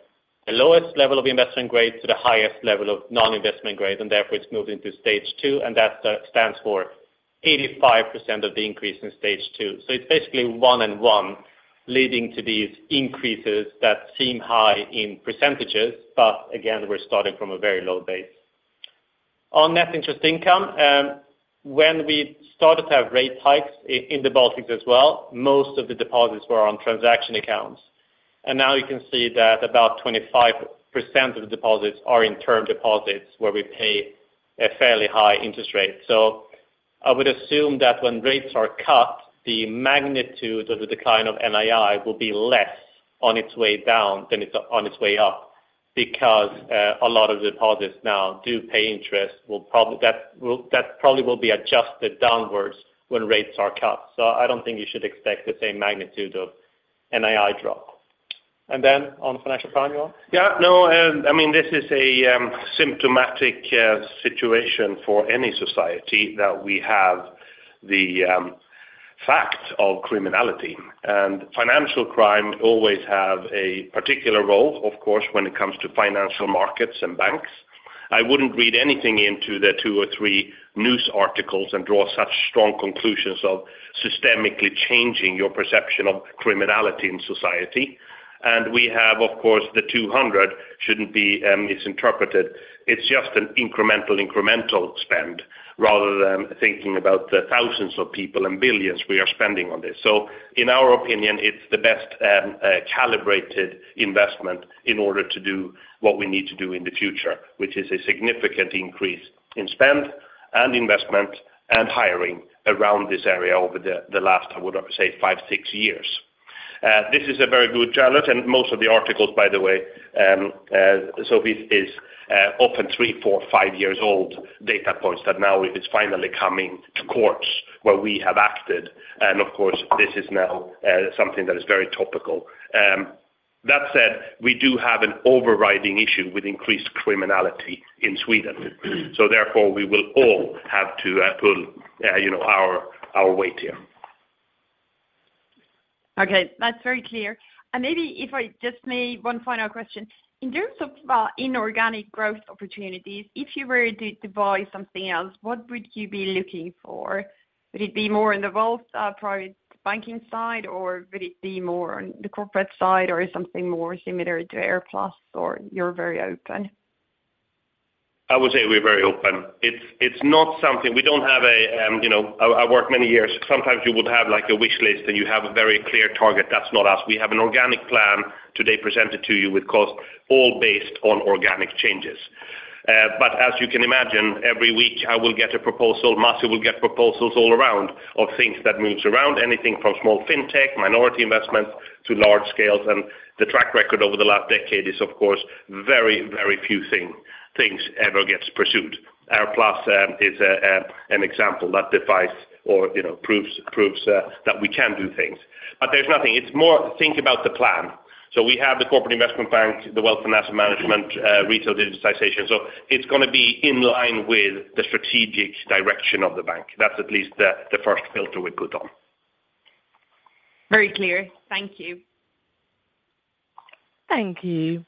the lowest level of investment grade to the highest level of non-investment grade, and therefore it's moved into Stage 2, and that stands for 85% of the increase in Stage 2. So it's basically one and one leading to these increases that seem high in percentages, but again, we're starting from a very low base. On net interest income, when we started to have rate hikes in the Baltics as well, most of the deposits were on transaction accounts, and now you can see that about 25% of the deposits are in term deposits, where we pay a fairly high interest rate. So-... I would assume that when rates are cut, the magnitude of the decline of NII will be less on its way down than it's on its way up, because a lot of deposits now do pay interest will probably be adjusted downwards when rates are cut. So I don't think you should expect the same magnitude of NII drop. And then on financial crime, you want? Yeah, no, I mean, this is a symptomatic situation for any society that we have the fact of criminality. And financial crime always have a particular role, of course, when it comes to financial markets and banks. I wouldn't read anything into the two or three news articles and draw such strong conclusions of systemically changing your perception of criminality in society. And we have, of course, the 200 shouldn't be misinterpreted. It's just an incremental spend, rather than thinking about the thousands of people and billions we are spending on this. So in our opinion, it's the best calibrated investment in order to do what we need to do in the future, which is a significant increase in spend and investment and hiring around this area over the last, I would say, five, six years. This is a very good journal, and most of the articles, by the way, so often three, four, five years old data points that now it is finally coming to courts where we have acted, and of course, this is now something that is very topical. That said, we do have an overriding issue with increased criminality in Sweden, so therefore we will all have to pull, you know, our weight here. Okay, that's very clear. And maybe if I just may, one final question. In terms of inorganic growth opportunities, if you were to buy something else, what would you be looking for? Would it be more on the wealth private banking side, or would it be more on the corporate side, or is something more similar to AirPlus, or you're very open? I would say we're very open. It's not something... We don't have a, you know, I work many years. Sometimes you would have, like, a wish list, and you have a very clear target. That's not us. We have an organic plan today presented to you, with cost all based on organic changes. But as you can imagine, every week I will get a proposal. Mats will get proposals all around of things that moves around, anything from small fintech, minority investments, to large scales, and the track record over the last decade is, of course, very few things ever gets pursued. AirPlus is an example that defies or you know, proves that we can do things. But there's nothing. It's more think about the plan. So we have the corporate investment bank, the wealth and asset management, retail digitization. So it's gonna be in line with the strategic direction of the bank. That's at least the first filter we put on. Very clear. Thank you. Thank you.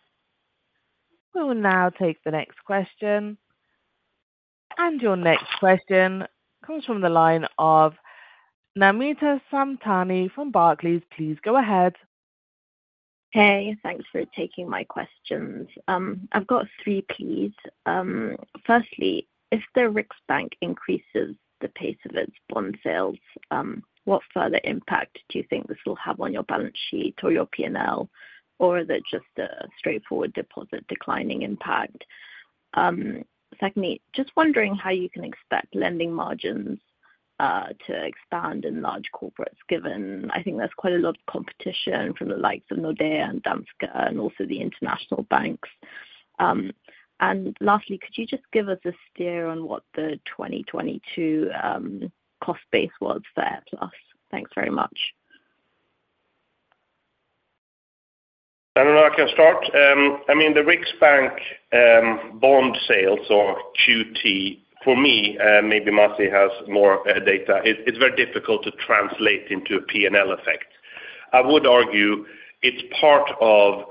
We will now take the next question. Your next question comes from the line of Namita Samtani from Barclays. Please go ahead. Hey, thanks for taking my questions. I've got three, please. Firstly, if the Riksbank increases the pace of its bond sales, what further impact do you think this will have on your balance sheet or your P&L, or is it just a, a straightforward deposit declining impact? Secondly, just wondering how you can expect lending margins to expand in Large Corporates, given I think there's quite a lot of competition from the likes of Nordea and Danske, and also the international banks? And lastly, could you just give us a steer on what the 2022 cost base was for AirPlus? Thanks very much. I don't know, I can start. I mean, the Riksbank, bond sales or QT, for me, maybe Masih has more data, it's very difficult to translate into a P&L effect. I would argue it's part of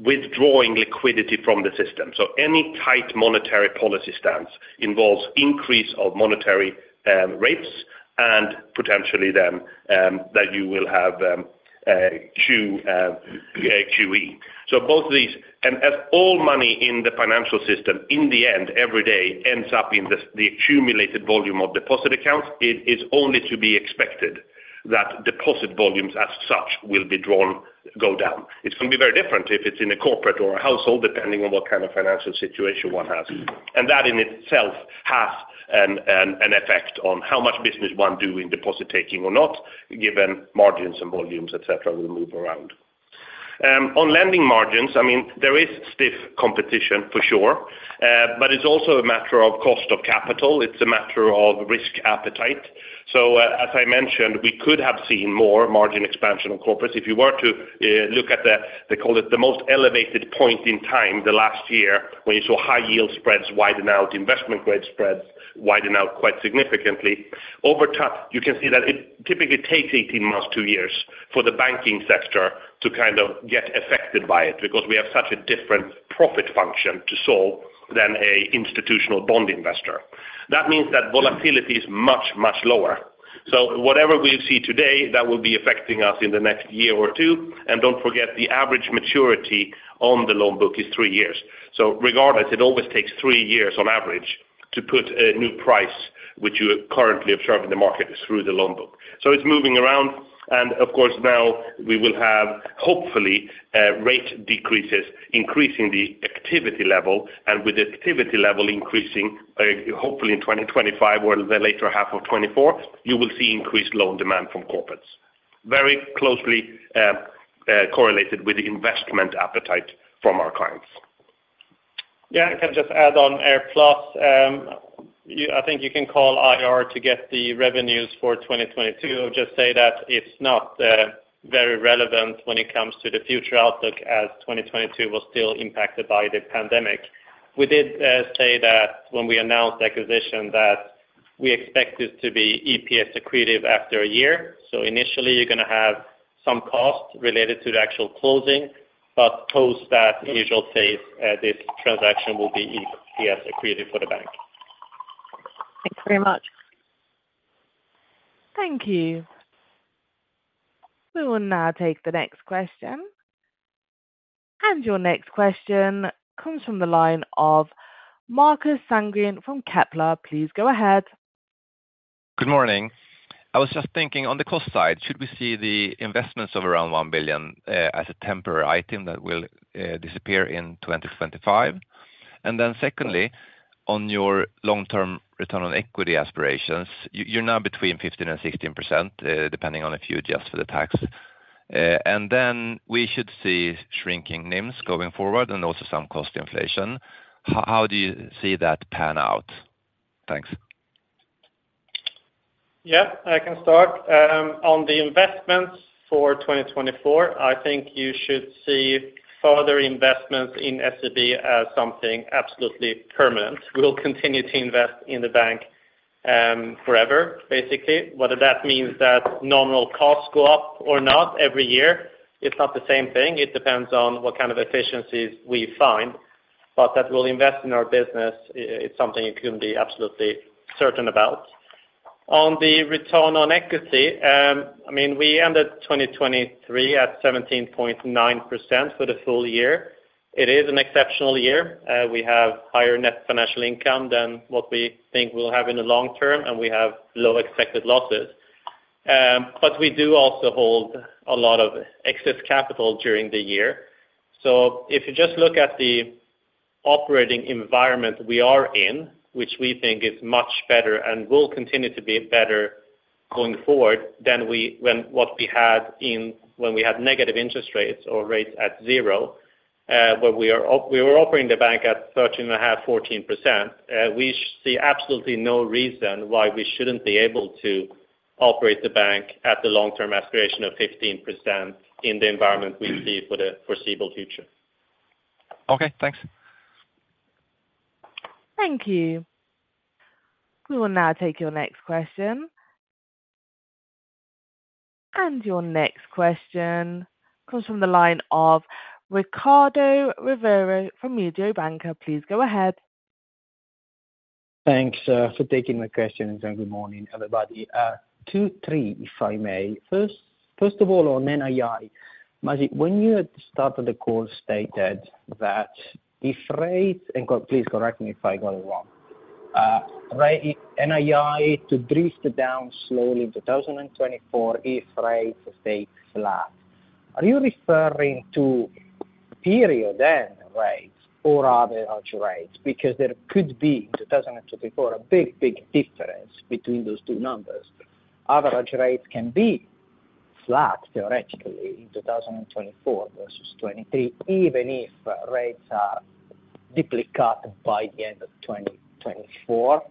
withdrawing liquidity from the system. So any tight monetary policy stance involves increase of monetary rates and potentially then that you will have QE. So both of these... And as all money in the financial system, in the end, every day, ends up in the accumulated volume of deposit accounts, it is only to be expected that deposit volumes as such will be drawn, go down. It's gonna be very different if it's in a corporate or a household, depending on what kind of financial situation one has. And that in itself has an effect on how much business one do in deposit taking or not, given margins and volumes, et cetera, will move around. On lending margins, I mean, there is stiff competition for sure, but it's also a matter of cost of capital, it's a matter of risk appetite. So, as I mentioned, we could have seen more margin expansion on corporates. If you were to look at the, they call it the most elevated point in time, the last year, when you saw high yield spreads widen out, investment grade spreads widen out quite significantly. Over time, you can see that it typically takes 18 months, two years, for the banking sector to kind of get affected by it, because we have such a different profit function to solve than an institutional bond investor. That means that volatility is much, much lower. So whatever we see today, that will be affecting us in the next year or two. And don't forget, the average maturity on the loan book is three years. So regardless, it always takes three years on average to put a new price, which you currently observe in the market, through the loan book. So it's moving around, and of course, now we will have, hopefully, rate decreases, increasing the activity level, and with the activity level increasing, hopefully in 2025 or the later half of 2024, you will see increased loan demand from corporates, very closely correlated with the investment appetite from our clients. Yeah, I can just add on AirPlus. You—I think you can call IR to get the revenues for 2022. Just say that it's not very relevant when it comes to the future outlook, as 2022 was still impacted by the pandemic. We did say that when we announced the acquisition, that we expect this to be EPS accretive after a year. So initially, you're gonna have some costs related to the actual closing, but post that, you should say, this transaction will be EPS accretive for the bank. Thanks very much. Thank you. We will now take the next question. Your next question comes from the line of Marcus Sandgren from Kepler. Please go ahead. Good morning. I was just thinking, on the cost side, should we see the investments of around 1 billion as a temporary item that will disappear in 2025? And then secondly, on your long-term return on equity aspirations, you, you're now between 15% and 16%, depending on if you adjust for the tax. And then we should see shrinking NIMs going forward and also some cost inflation. How, how do you see that pan out? Thanks. Yeah, I can start. On the investments for 2024, I think you should see further investments in SEB as something absolutely permanent. We will continue to invest in the bank, forever, basically. Whether that means that nominal costs go up or not every year, it's not the same thing. It depends on what kind of efficiencies we find, but that we'll invest in our business, it's something you can be absolutely certain about. On the return on equity, I mean, we ended 2023 at 17.9% for the full year. It is an exceptional year. We have higher net financial income than what we think we'll have in the long term, and we have low expected losses. But we do also hold a lot of excess capital during the year. So if you just look at the operating environment we are in, which we think is much better and will continue to be better going forward than what we had when we had negative interest rates or rates at zero, where we were operating the bank at 13.5%-14%, we see absolutely no reason why we shouldn't be able to operate the bank at the long-term aspiration of 15% in the environment we see for the foreseeable future. Okay, thanks. Thank you. We will now take your next question. Your next question comes from the line of Riccardo Rovere from Mediobanca. Please go ahead. Thanks for taking my questions, and good morning, everybody. Two, three, if I may. First, first of all, on NII, Masih, when you at the start of the call stated that if rates, please correct me if I got it wrong, NII to drift down slowly in 2024, if rates stay flat, are you referring to period end rates or other rates? Because there could be, in 2024, a big, big difference between those two numbers. Average rates can be flat, theoretically, in 2024 versus 2023, even if rates are deeply cut by the end of 2024.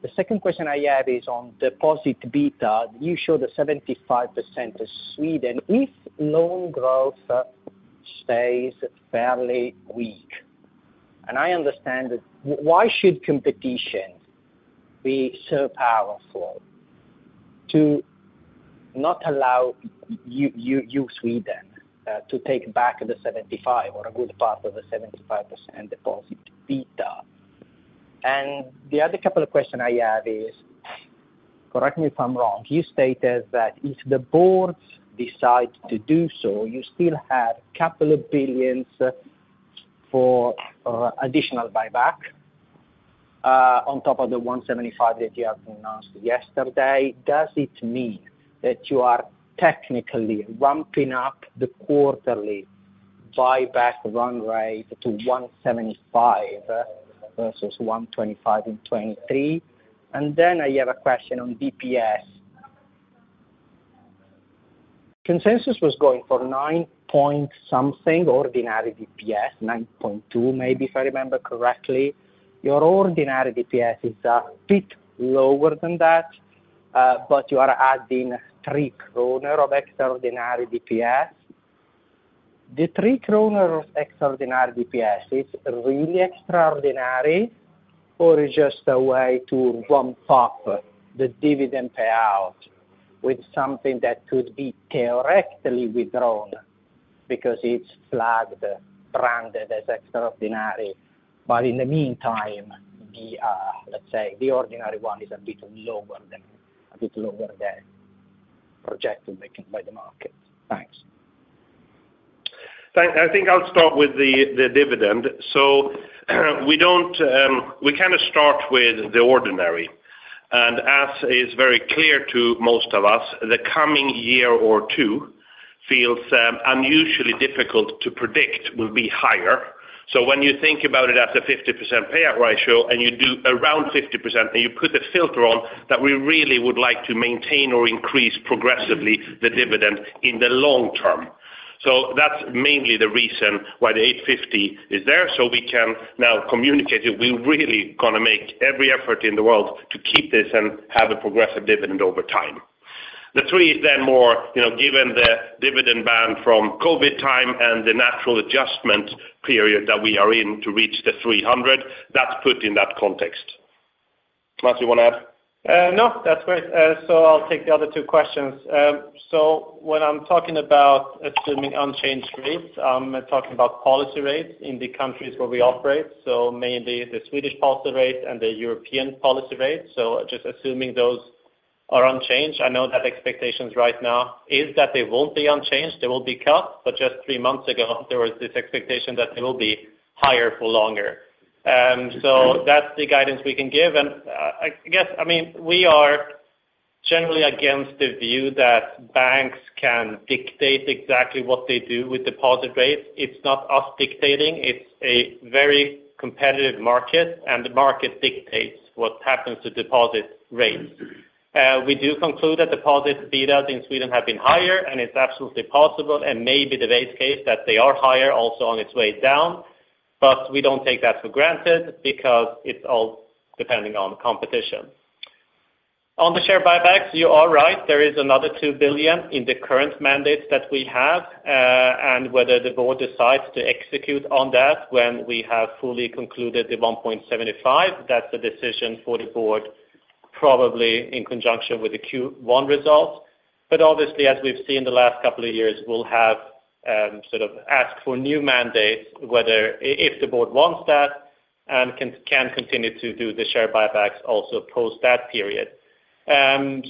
The second question I have is on deposit beta. You showed a 75% to Sweden. If loan growth stays fairly weak, and I understand that, why should competition be so powerful to not allow you in Sweden to take back the 75 or a good part of the 75% deposit beta? And the other couple of questions I have is, correct me if I'm wrong, you stated that if the boards decide to do so, you still have a couple of billion SEK for additional buyback on top of the 175 that you have announced yesterday. Does it mean that you are technically ramping up the quarterly buyback run rate to 175 versus 125 in 2023? And then I have a question on DPS. Consensus was going for nine point something, ordinary DPS, 9.2, maybe, if I remember correctly. Your ordinary DPS is a bit lower than that, but you are adding 3 kronor of extraordinary DPS. The 3 kronor of extraordinary DPS, it's really extraordinary or just a way to bump up the dividend payout with something that could be theoretically withdrawn because it's flagged, branded as extraordinary? But in the meantime, the, let's say the ordinary one is a bit lower than, a bit lower than projected making by the market. Thanks. I think I'll start with the, the dividend. So we don't, we kind of start with the ordinary, and as is very clear to most of us, the coming year or two feels unusually difficult to predict will be higher. So when you think about it as a 50% payout ratio, and you do around 50%, and you put the filter on, that we really would like to maintain or increase progressively the dividend in the long term. So that's mainly the reason why the 8.50 is there, so we can now communicate it. We're really gonna make every effort in the world to keep this and have a progressive dividend over time. The three then more, you know, given the dividend ban from COVID time and the natural adjustment period that we are in to reach the 300, that's put in that context. Masih, you wanna add? No, that's great. So I'll take the other two questions. So when I'm talking about assuming unchanged rates, I'm talking about policy rates in the countries where we operate, so mainly the Swedish policy rate and the European policy rate. So just assuming those are unchanged, I know that expectations right now is that they won't be unchanged, they will be cut, but just three months ago there was this expectation that they will be higher for longer. So that's the guidance we can give. I guess, I mean, we are generally against the view that banks can dictate exactly what they do with deposit rates. It's not us dictating. It's a very competitive market, and the market dictates what happens to deposit rates. We do conclude that deposit beta in Sweden have been higher, and it's absolutely possible and may be the base case that they are higher also on its way down, but we don't take that for granted because it's all depending on competition. On the share buybacks, you are right, there is another 2 billion in the current mandate that we have. And whether the board decides to execute on that when we have fully concluded the 1.75 billion, that's a decision for the board, probably in conjunction with the Q1 results. But obviously, as we've seen the last couple of years, we'll have sort of ask for new mandates, whether if the board wants that, and can continue to do the share buybacks also post that period.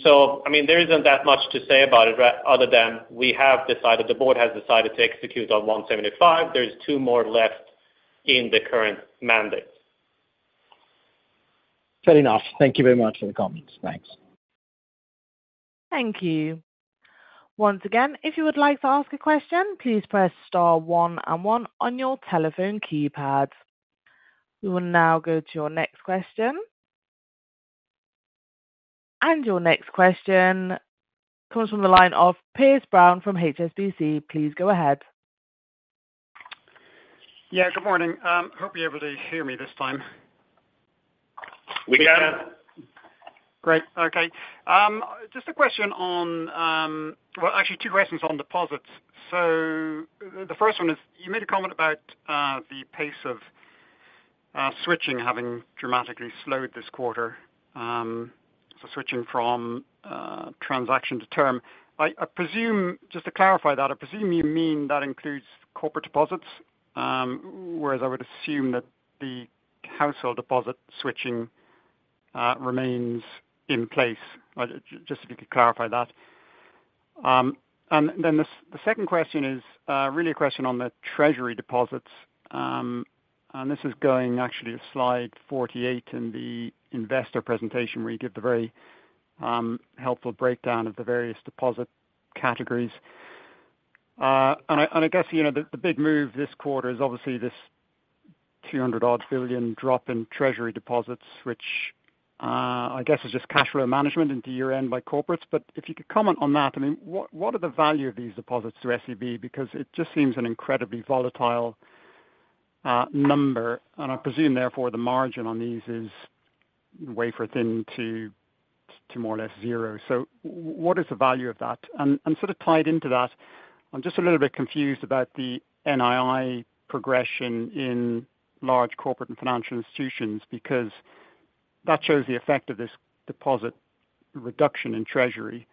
So, I mean, there isn't that much to say about it, other than we have decided, the board has decided to execute on 1.75 billion. There's 2 billion more left in the current mandate. Fair enough. Thank you very much for the comments. Thanks. Thank you. Once again, if you would like to ask a question, please press star one and one on your telephone keypad. We will now go to your next question. Your next question comes from the line of Piers Brown from HSBC. Please go ahead. Yeah, good morning. Hope you're able to hear me this time. We can. We can. Great. Okay. Just a question on, well, actually, two questions on deposits. So the first one is, you made a comment about the pace of switching having dramatically slowed this quarter, so switching from transaction to term. I presume, just to clarify that, I presume you mean that includes corporate deposits, whereas I would assume that the household deposit switching remains in place. Just if you could clarify that. And then the second question is, really a question on the treasury deposits. And this is going actually to slide 48 in the investor presentation, where you give the very helpful breakdown of the various deposit categories. I guess, you know, the big move this quarter is obviously this 200-odd billion drop in treasury deposits, which I guess is just cash flow management into year-end by corporates. But if you could comment on that, I mean, what are the value of these deposits to SEB? Because it just seems an incredibly volatile number, and I presume, therefore, the margin on these is wafer-thin to more or less zero. So what is the value of that? And sort of tied into that, I'm just a little bit confused about the NII progression in Large Corporate and Financial Institutions, because that shows the effect of this deposit reduction in treasury.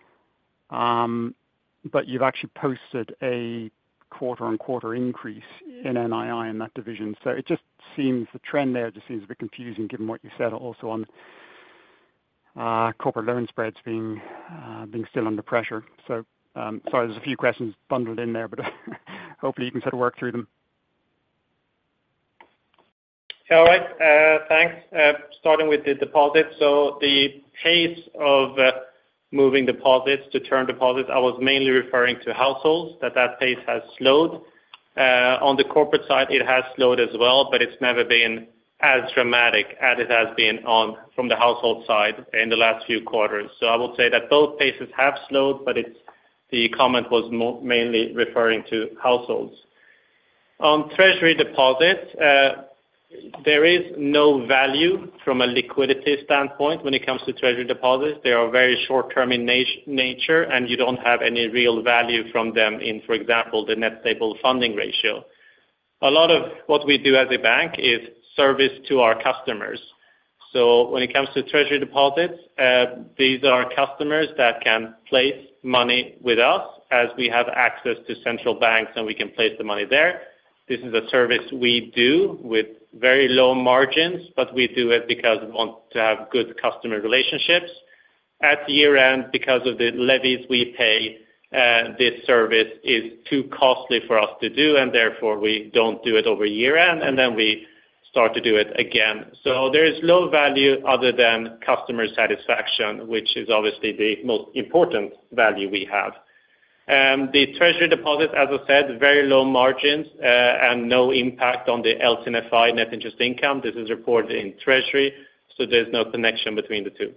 But you've actually posted a quarter-on-quarter increase in NII in that division. So it just seems, the trend there just seems a bit confusing given what you said also on corporate loan spreads being still under pressure. So, sorry, there's a few questions bundled in there, but hopefully you can sort of work through them. All right. Thanks. Starting with the deposits. So the pace of moving deposits to term deposits, I was mainly referring to households, that that pace has slowed. On the corporate side, it has slowed as well, but it's never been as dramatic as it has been on from the household side in the last few quarters. So I would say that both paces have slowed, but it's the comment was mainly referring to households. On treasury deposits, there is no value from a liquidity standpoint when it comes to treasury deposits. They are very short term in nature, and you don't have any real value from them in, for example, the net stable funding ratio. A lot of what we do as a bank is service to our customers. So when it comes to treasury deposits, these are customers that can place money with us as we have access to central banks, and we can place the money there. This is a service we do with very low margins, but we do it because we want to have good customer relationships. At year-end, because of the levies we pay, this service is too costly for us to do, and therefore we don't do it over year-end, and then we start to do it again. So there is low value other than customer satisfaction, which is obviously the most important value we have. The treasury deposit, as I said, very low margins, and no impact on the LC&I net interest income. This is reported in treasury, so there's no connection between the two.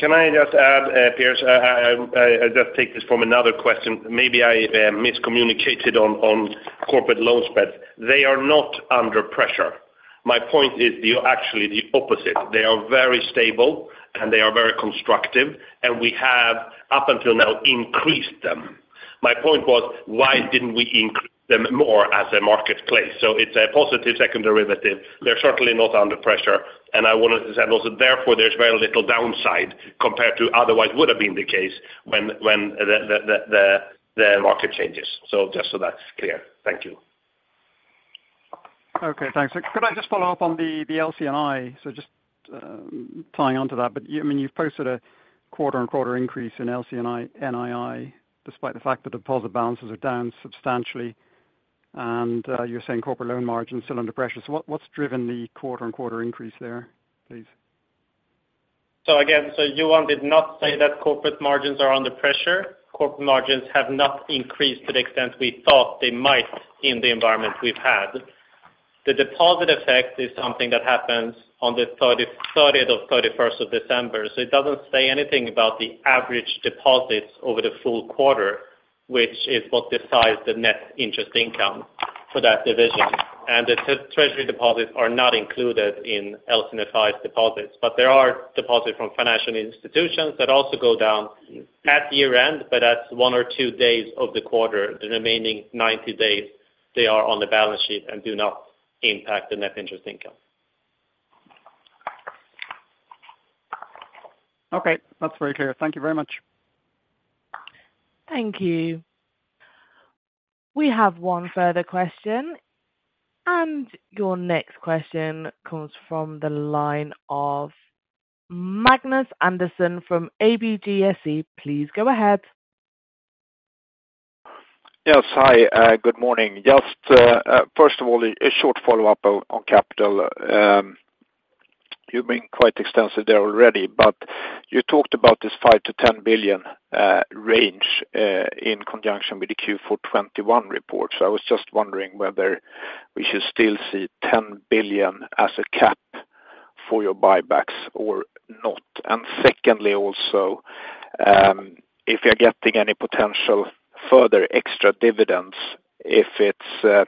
Can I just add, Piers, I'll just take this from another question. Maybe I miscommunicated on corporate loan spreads. They are not under pressure. My point is actually the opposite. They are very stable, and they are very constructive, and we have, up until now, increased them. My point was, why didn't we increase them more as a marketplace? So it's a positive second derivative. They're certainly not under pressure, and I wanted to say also, therefore there's very little downside compared to otherwise would have been the case when the market changes. So just so that's clear. Thank you. Okay, thanks. Could I just follow up on the, the LC&I? So just tying on to that, but you, I mean, you've posted a quarter-on-quarter increase in LC&I NII, despite the fact that deposit balances are down substantially, and you're saying corporate loan margins still under pressure. So what, what's driven the quarter-on-quarter increase there, please? So again, Johan did not say that corporate margins are under pressure. Corporate margins have not increased to the extent we thought they might in the environment we've had. The deposit effect is something that happens on the 30th or 31st of December. So it doesn't say anything about the average deposits over the full quarter, which is what decides the net interest income for that division. And the treasury deposits are not included in LC&I's deposits, but there are deposits from Financial Institutions that also go down at year-end, but that's one or two days of the quarter. The remaining 90 days, they are on the balance sheet and do not impact the net interest income. Okay, that's very clear. Thank you very much. Thank you. We have one further question, and your next question comes from the line of Magnus Andersson from ABG Sundal Collier. Please go ahead. Yes. Hi, good morning. Just, first of all, a short follow-up on capital. You've been quite extensive there already, but you talked about this 5 billion-10 billion range in conjunction with the Q4 2021 report. So I was just wondering whether we should still see 10 billion as a cap for your buybacks or not. And secondly, also, if you're getting any potential further extra dividends, if it's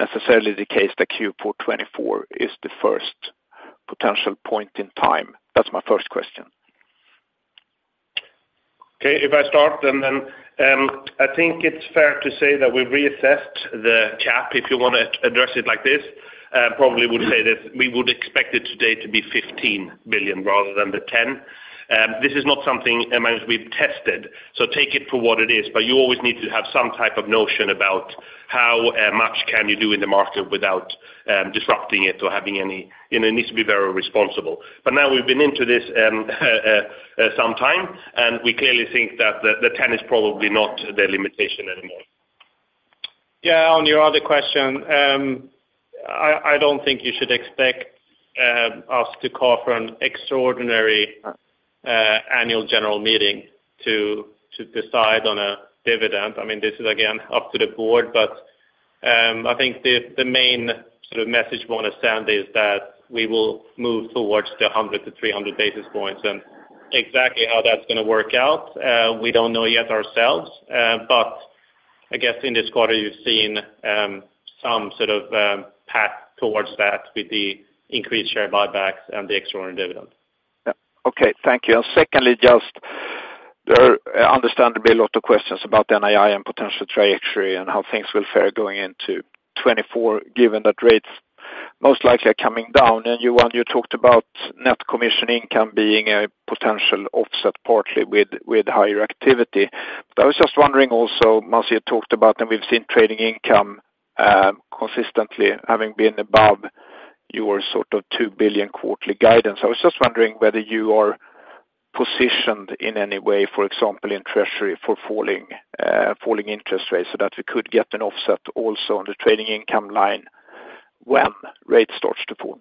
necessarily the case that Q4 2024 is the first potential point in time? That's my first question. Okay. If I start, then, I think it's fair to say that we've reassessed the cap, if you want to address it like this, probably would say that we would expect it today to be 15 billion rather than the 10 billion. This is not something, Magnus, we've tested, so take it for what it is, but you always need to have some type of notion about how much can you do in the market without disrupting it or having any, you know, it needs to be very responsible. But now we've been into this some time, and we clearly think that the 10 billion is probably not the limitation anymore. Yeah, on your other question, I don't think you should expect us to call for an extraordinary annual general meeting to decide on a dividend. I mean, this is again, up to the board, but I think the main sort of message we want to send is that we will move towards 100-300 basis points. And exactly how that's gonna work out, we don't know yet ourselves, but I guess in this quarter, you've seen some sort of path towards that with the increased share buybacks and the extraordinary dividend. Yeah. Okay. Thank you. Secondly, just there are understandably a lot of questions about NII and potential trajectory and how things will fare going into 2024, given that rates most likely are coming down. Johan, you talked about net commission income being a potential offset, partly with, with higher activity. But I was just wondering also, once you talked about and we've seen trading income consistently having been above your sort of 2 billion quarterly guidance. I was just wondering whether you are positioned in any way, for example, in treasury for falling, falling interest rates, so that we could get an offset also on the trading income line when rates starts to fall.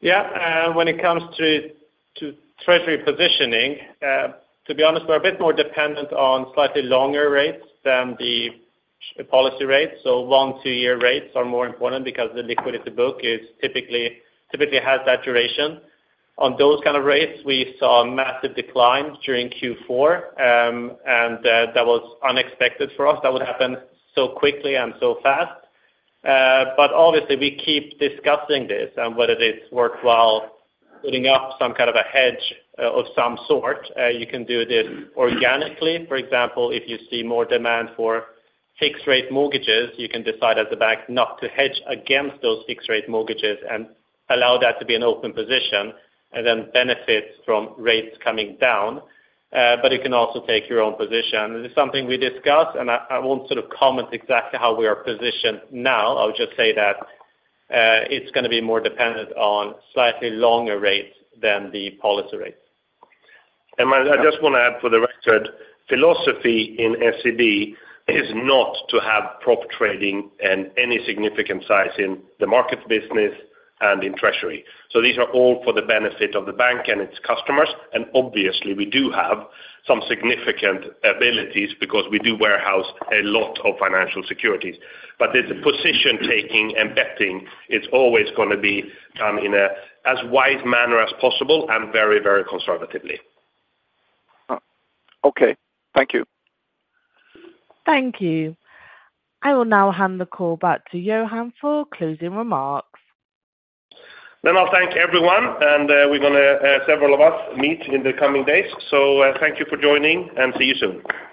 Yeah. When it comes to treasury positioning, to be honest, we're a bit more dependent on slightly longer rates than the policy rates. So one-two-year rates are more important because the liquidity book is typically typically has that duration. On those kind of rates, we saw a massive decline during Q4, and that was unexpected for us. That would happen so quickly and so fast. But obviously we keep discussing this and whether it's worthwhile putting up some kind of a hedge of some sort. You can do this organically. For example, if you see more demand for fixed rate mortgages, you can decide at the bank not to hedge against those fixed rate mortgages and allow that to be an open position, and then benefit from rates coming down. But you can also take your own position. This is something we discuss, and I won't sort of comment exactly how we are positioned now. I'll just say that, it's gonna be more dependent on slightly longer rates than the policy rates. Magnus, I just wanna add for the record, philosophy in SEB is not to have prop trading and any significant size in the markets business and in treasury. So these are all for the benefit of the bank and its customers, and obviously, we do have some significant abilities because we do warehouse a lot of financial securities. But there's a position taking and betting, it's always gonna be done in as wide manner as possible and very, very conservatively. Okay. Thank you. Thank you. I will now hand the call back to Johan for closing remarks. Then I'll thank everyone, and we're gonna several of us meet in the coming days. So, thank you for joining, and see you soon.